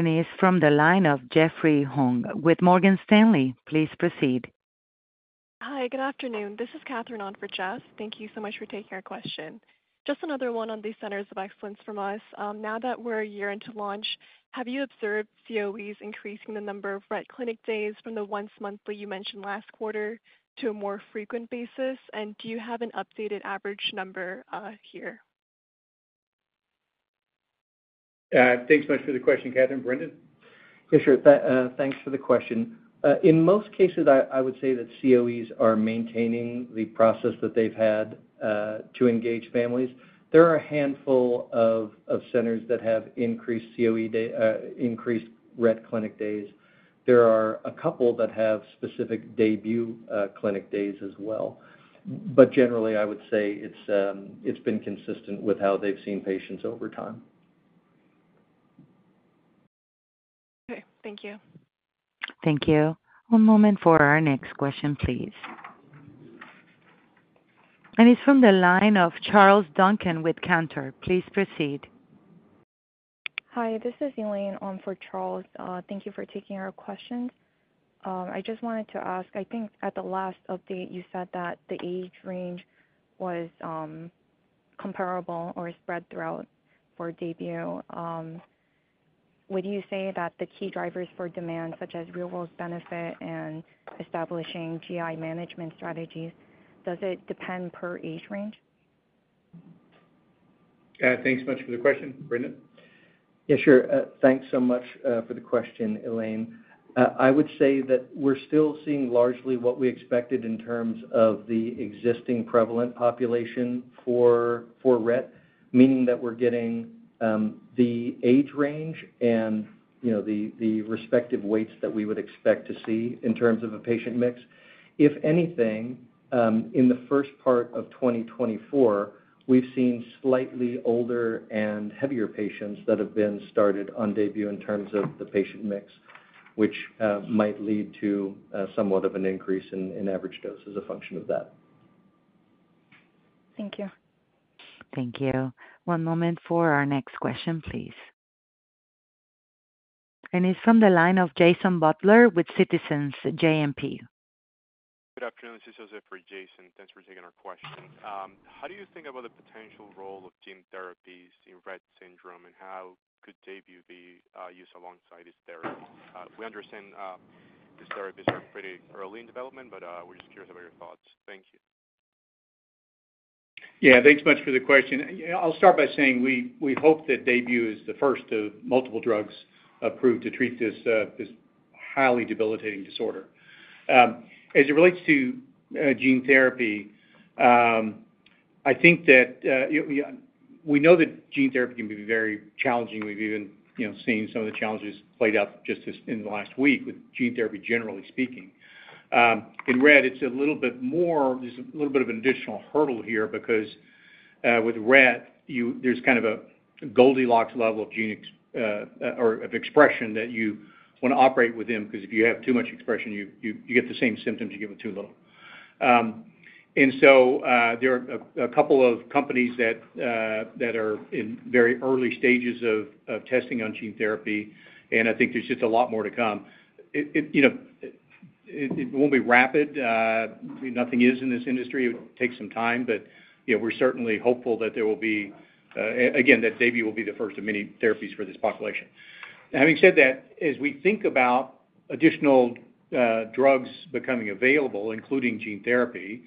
And it's from the line of Jeffrey Hung with Morgan Stanley. Please proceed. Hi. Good afternoon. This is Catherine Allen for Jeff. Thank you so much for taking our question. Just another one on these centers of excellence from us. Now that we're a year into launch, have you observed COEs increasing the number of Rett clinic days from the once-monthly you mentioned last quarter to a more frequent basis? And do you have an updated average number here? Thanks much for the question, Catherine. Brendan? Yeah. Sure. Thanks for the question. In most cases, I would say that COEs are maintaining the process that they've had to engage families. There are a handful of centers that have increased Rett clinic days. There are a couple that have specific Daybue clinic days as well. But generally, I would say it's been consistent with how they've seen patients over time. Okay. Thank you. Thank you. One moment for our next question, please. It's from the line of Charles Duncan with Cantor. Please proceed. Hi. This is Elaine on for Charles. Thank you for taking our questions. I just wanted to ask, I think at the last update, you said that the age range was comparable or spread throughout for Daybue. Would you say that the key drivers for demand, such as real-world benefit and establishing GI management strategies, does it depend per age range? Thanks much for the question, Brendan. Yeah. Sure. Thanks so much for the question, Elaine. I would say that we're still seeing largely what we expected in terms of the existing prevalent population for Rett, meaning that we're getting the age range and the respective weights that we would expect to see in terms of a patient mix. If anything, in the first part of 2024, we've seen slightly older and heavier patients that have been started on Daybue in terms of the patient mix, which might lead to somewhat of an increase in average dose as a function of that. Thank you. Thank you. One moment for our next question, please. It's from the line of Jason Butler with Citizens JMP. Good afternoon. This is Joseph for Jason. Thanks for taking our question. How do you think about the potential role of gene therapies in Rett syndrome, and how could Daybue be used alongside these therapies? We understand these therapies are pretty early in development, but we're just curious about your thoughts. Thank you. Yeah. Thanks much for the question. I'll start by saying we hope that Daybue is the first of multiple drugs approved to treat this highly debilitating disorder. As it relates to gene therapy, I think that we know that gene therapy can be very challenging. We've even seen some of the challenges played out just in the last week with gene therapy, generally speaking. In Rett, there's a little bit of an additional hurdle here because with Rett, there's kind of a Goldilocks level of gene or of expression that you want to operate with them because if you have too much expression, you get the same symptoms you get with too little. And so there are a couple of companies that are in very early stages of testing on gene therapy, and I think there's just a lot more to come. It won't be rapid. Nothing is in this industry. It would take some time, but we're certainly hopeful that there will be again, that Daybue will be the first of many therapies for this population. Having said that, as we think about additional drugs becoming available, including gene therapy,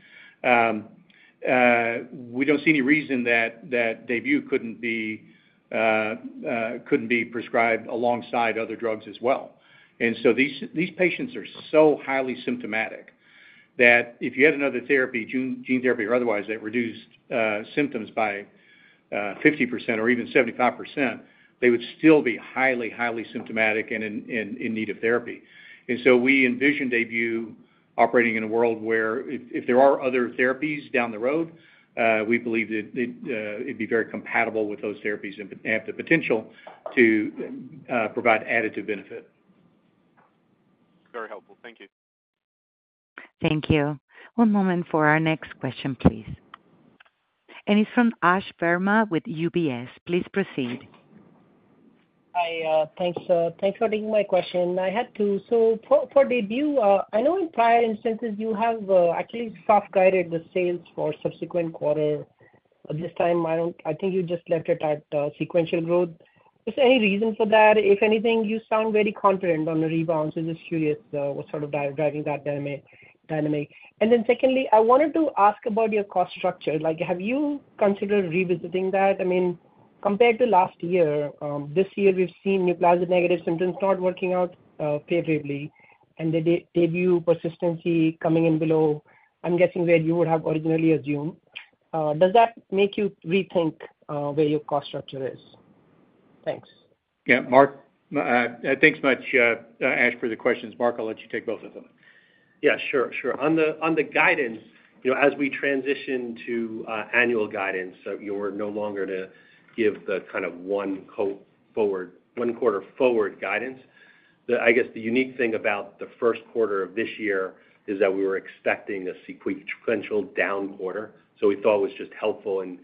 we don't see any reason that Daybue couldn't be prescribed alongside other drugs as well. And so these patients are so highly symptomatic that if you had another therapy, gene therapy or otherwise, that reduced symptoms by 50% or even 75%, they would still be highly, highly symptomatic and in need of therapy. And so we envision Daybue operating in a world where if there are other therapies down the road, we believe that it'd be very compatible with those therapies and have the potential to provide additive benefit. Very helpful. Thank you. Thank you. One moment for our next question, please. It's from Ash Verma with UBS. Please proceed. Hi. Thanks for taking my question. I had to ask for Daybue, I know in prior instances, you have actually soft-guided the sales for subsequent quarter. This time, I think you just left it at sequential growth. Is there any reason for that? If anything, you sound very confident on the rebound. So just curious what's sort of driving that dynamic. And then secondly, I wanted to ask about your cost structure. Have you considered revisiting that? I mean, compared to last year, this year, we've seen Nuplazid-negative symptoms not working out favorably, and the Daybue persistency coming in below, I'm guessing, where you would have originally assumed. Does that make you rethink where your cost structure is? Thanks. Yeah. Mark, thanks much, Ash, for the questions. Mark, I'll let you take both of them. Yeah. Sure. Sure. On the guidance, as we transition to annual guidance, so you're no longer going to give the kind of one-quarter-forward guidance. I guess the unique thing about the first quarter of this year is that we were expecting a sequential down quarter. So we thought it was just helpful in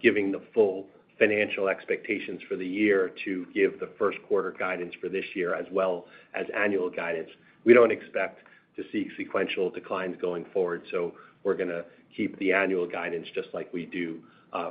giving the full financial expectations for the year to give the first-quarter guidance for this year as well as annual guidance. We don't expect to see sequential declines going forward, so we're going to keep the annual guidance just like we do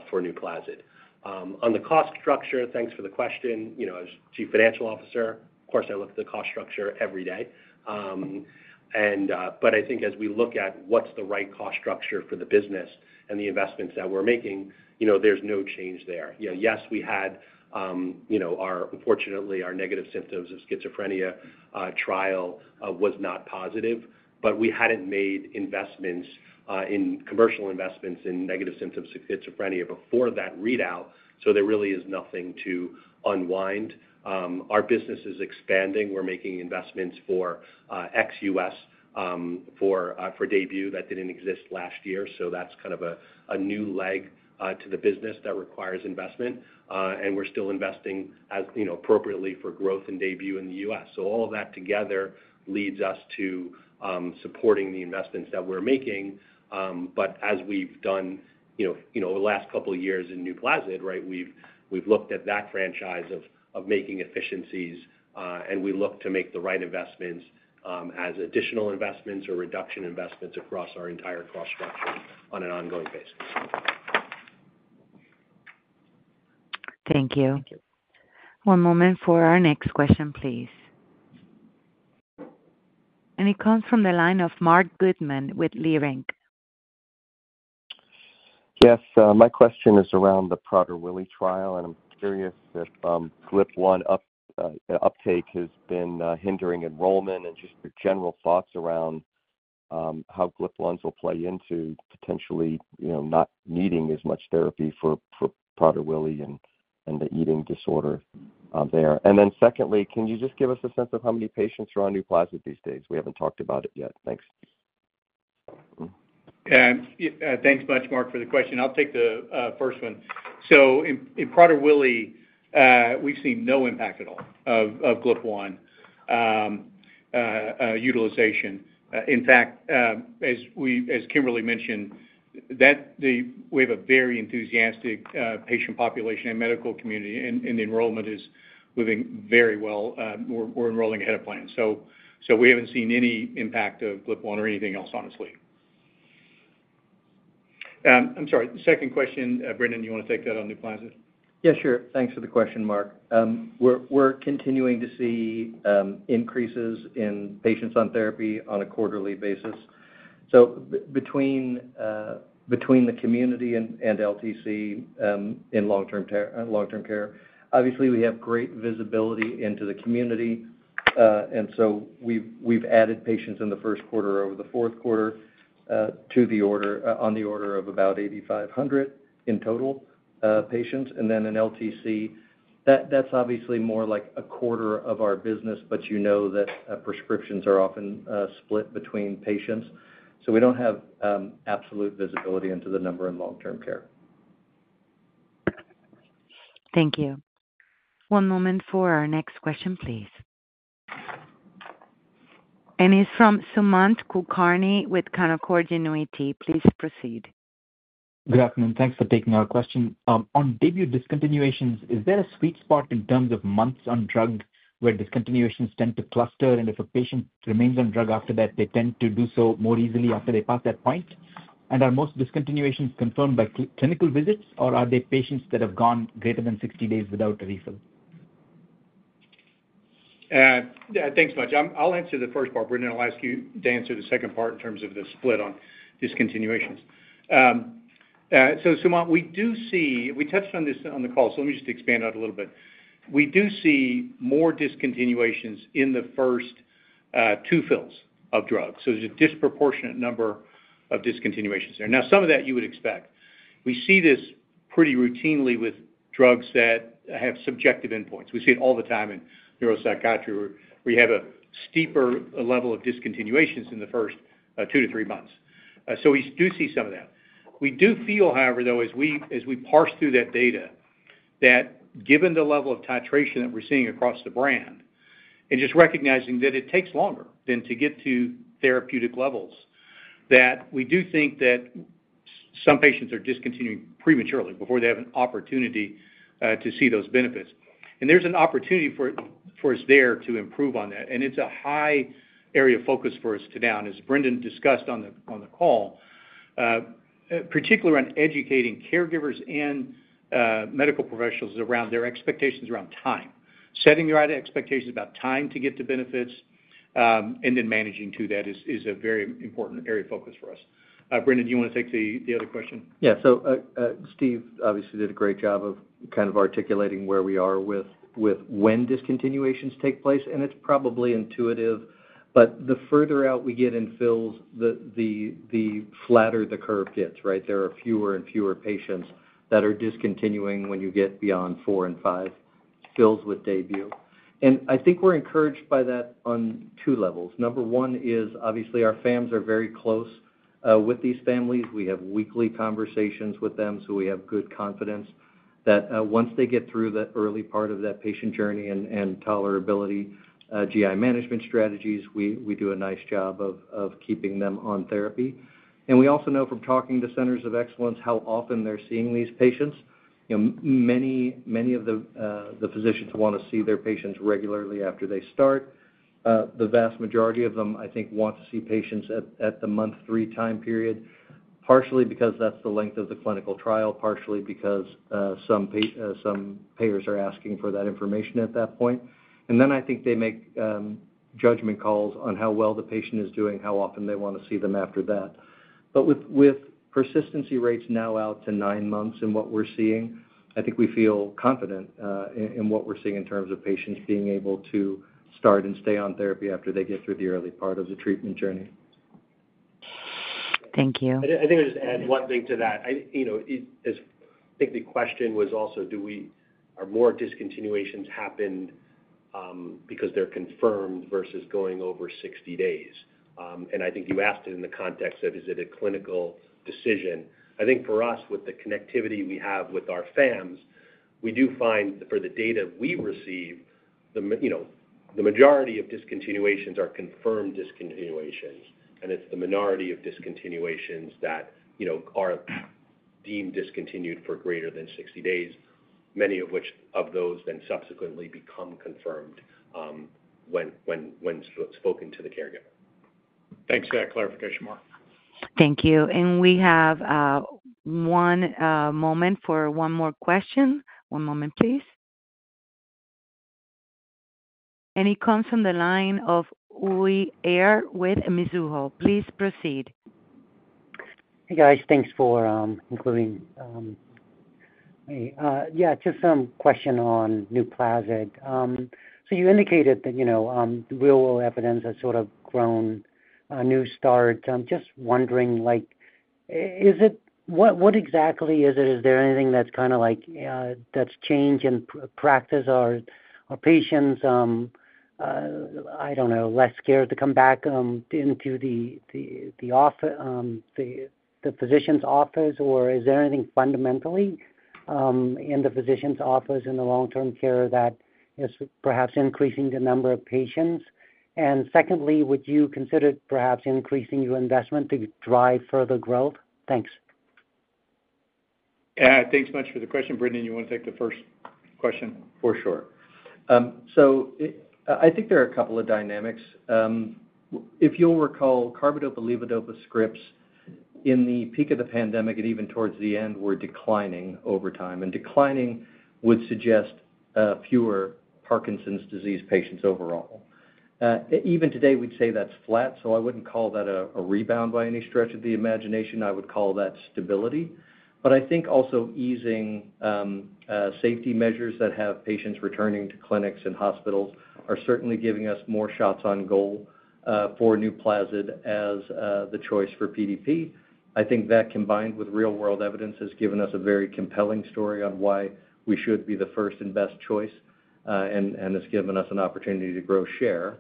for Nuplazid. On the cost structure, thanks for the question. As Chief Financial Officer, of course, I look at the cost structure every day. But I think as we look at what's the right cost structure for the business and the investments that we're making, there's no change there. Yes, we had our, unfortunately, our negative symptoms of schizophrenia trial was not positive, but we hadn't made commercial investments in negative symptoms of schizophrenia before that readout, so there really is nothing to unwind. Our business is expanding. We're making investments for ex-US for Daybue that didn't exist last year. So that's kind of a new leg to the business that requires investment. And we're still investing appropriately for growth in Daybue in the US. So all of that together leads us to supporting the investments that we're making. But as we've done over the last couple of years in Nuplazid, right, we've looked at that franchise of making efficiencies, and we look to make the right investments as additional investments or reduction investments across our entire cost structure on an ongoing basis. Thank you. One moment for our next question, please. It comes from the line of Marc Goodman with Leerink. Yes. My question is around the Prader-Willi trial, and I'm curious if GLP-1 uptake has been hindering enrollment and just your general thoughts around how GLP-1s will play into potentially not needing as much therapy for Prader-Willi and the eating disorder there. And then secondly, can you just give us a sense of how many patients are on Nuplazid these days? We haven't talked about it yet. Thanks. Thanks much, Marc, for the question. I'll take the first one. So in Prader-Willi, we've seen no impact at all of GLP-1 utilization. In fact, as Kimberly mentioned, we have a very enthusiastic patient population and medical community, and the enrollment is moving very well. We're enrolling ahead of plan. So we haven't seen any impact of GLP-1 or anything else, honestly. I'm sorry. Second question, Brendan, you want to take that on Nuplazid? Yeah. Sure. Thanks for the question, Marc. We're continuing to see increases in patients on therapy on a quarterly basis. So between the community and LTC in long-term care, obviously, we have great visibility into the community. And so we've added patients in the first quarter over the fourth quarter on the order of about 8,500 in total patients. Then in LTC, that's obviously more like a quarter of our business, but you know that prescriptions are often split between patients. We don't have absolute visibility into the number in long-term care. Thank you. One moment for our next question, please. It's from Sumant Kulkarni with Canaccord Genuity. Please proceed. Good afternoon. Thanks for taking our question. On Daybue discontinuations, is there a sweet spot in terms of months on drug where discontinuations tend to cluster, and if a patient remains on drug after that, they tend to do so more easily after they pass that point? And are most discontinuations confirmed by clinical visits, or are they patients that have gone greater than 60 days without a refill? Yeah. Thanks much. I'll answer the first part. Brendan, I'll ask you to answer the second part in terms of the split on discontinuations. So Sumant, we do see we touched on this on the call, so let me just expand out a little bit. We do see more discontinuations in the first two fills of drugs. So there's a disproportionate number of discontinuations there. Now, some of that you would expect. We see this pretty routinely with drugs that have subjective endpoints. We see it all the time in neuropsychiatry where you have a steeper level of discontinuations in the first two to three months. So we do see some of that. We do feel, however, though, as we parse through that data, that given the level of titration that we're seeing across the brand and just recognizing that it takes longer than to get to therapeutic levels, that we do think that some patients are discontinuing prematurely before they have an opportunity to see those benefits. There's an opportunity for us there to improve on that. It's a high area of focus for us now, and as Brendan discussed on the call, particularly around educating caregivers and medical professionals around their expectations around time. Setting the right expectations about time to get to benefits and then managing to that is a very important area of focus for us. Brendan, do you want to take the other question? Yeah. So Steve obviously did a great job of kind of articulating where we are with when discontinuations take place. And it's probably intuitive, but the further out we get in fills, the flatter the curve gets, right? There are fewer and fewer patients that are discontinuing when you get beyond four and five fills with Daybue. And I think we're encouraged by that on two levels. Number one is, obviously, our FAMs are very close with these families. We have weekly conversations with them, so we have good confidence that once they get through the early part of that patient journey and tolerability GI management strategies, we do a nice job of keeping them on therapy. And we also know from talking to Centers of Excellence how often they're seeing these patients. Many of the physicians want to see their patients regularly after they start. The vast majority of them, I think, want to see patients at the month three time period, partially because that's the length of the clinical trial, partially because some payers are asking for that information at that point. And then I think they make judgment calls on how well the patient is doing, how often they want to see them after that. But with persistency rates now out to nine months and what we're seeing, I think we feel confident in what we're seeing in terms of patients being able to start and stay on therapy after they get through the early part of the treatment journey. Thank you. I think I'll just add one thing to that. I think the question was also, are more discontinuations happened because they're confirmed versus going over 60 days? And I think you asked it in the context of, is it a clinical decision? I think for us, with the connectivity we have with our fams, we do find for the data we receive, the majority of discontinuations are confirmed discontinuations. And it's the minority of discontinuations that are deemed discontinued for greater than 60 days, many of those then subsequently become confirmed when spoken to the caregiver. Thanks for that clarification, Mark. Thank you. We have one moment for one more question. One moment, please. It comes from the line of Uy Ear with Mizuho. Please proceed. Hey, guys. Thanks for including me. Yeah. Just some question on Nuplazid. So you indicated that real-world evidence has sort of grown new starts. Just wondering, what exactly is it? Is there anything that's kind of like that's changed in practice? Are patients, I don't know, less scared to come back into the physician's office, or is there anything fundamentally in the physician's office in the long-term care that is perhaps increasing the number of patients? And secondly, would you consider perhaps increasing your investment to drive further growth? Thanks. Yeah. Thanks much for the question. Brendan, you want to take the first question? For sure. So I think there are a couple of dynamics. If you'll recall, Carbidopa-levodopa scripts in the peak of the pandemic and even towards the end were declining over time. And declining would suggest fewer Parkinson's disease patients overall. Even today, we'd say that's flat, so I wouldn't call that a rebound by any stretch of the imagination. I would call that stability. But I think also easing safety measures that have patients returning to clinics and hospitals are certainly giving us more shots on goal for Nuplazid as the choice for PDP. I think that combined with real-world evidence has given us a very compelling story on why we should be the first and best choice, and it's given us an opportunity to grow share.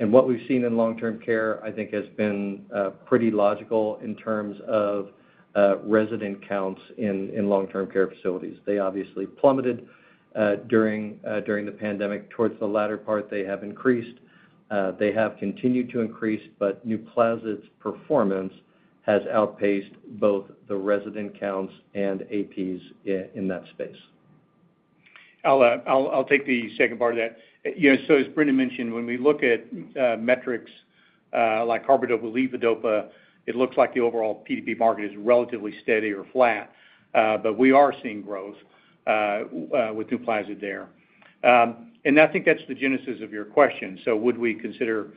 And what we've seen in long-term care, I think, has been pretty logical in terms of resident counts in long-term care facilities. They obviously plummeted during the pandemic. Towards the latter part, they have increased. They have continued to increase, but Nuplazid's performance has outpaced both the resident counts and APs in that space. I'll take the second part of that. So as Brendan mentioned, when we look at metrics like carbidopa-levodopa, it looks like the overall PDP market is relatively steady or flat, but we are seeing growth with Nuplazid there. And I think that's the genesis of your question. So would we consider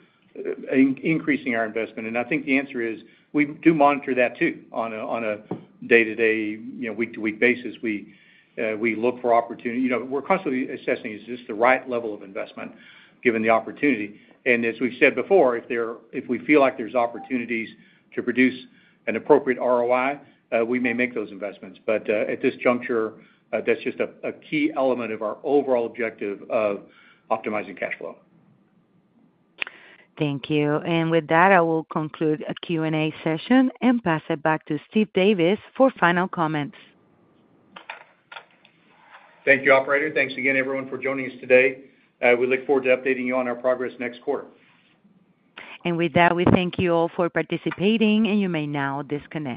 increasing our investment? And I think the answer is we do monitor that too on a day-to-day, week-to-week basis. We look for opportunities. We're constantly assessing, is this the right level of investment given the opportunity? And as we've said before, if we feel like there's opportunities to produce an appropriate ROI, we may make those investments. But at this juncture, that's just a key element of our overall objective of optimizing cash flow. Thank you. With that, I will conclude a Q&A session and pass it back to Steve Davis for final comments. Thank you, operator. Thanks again, everyone, for joining us today. We look forward to updating you on our progress next quarter. With that, we thank you all for participating, and you may now disconnect.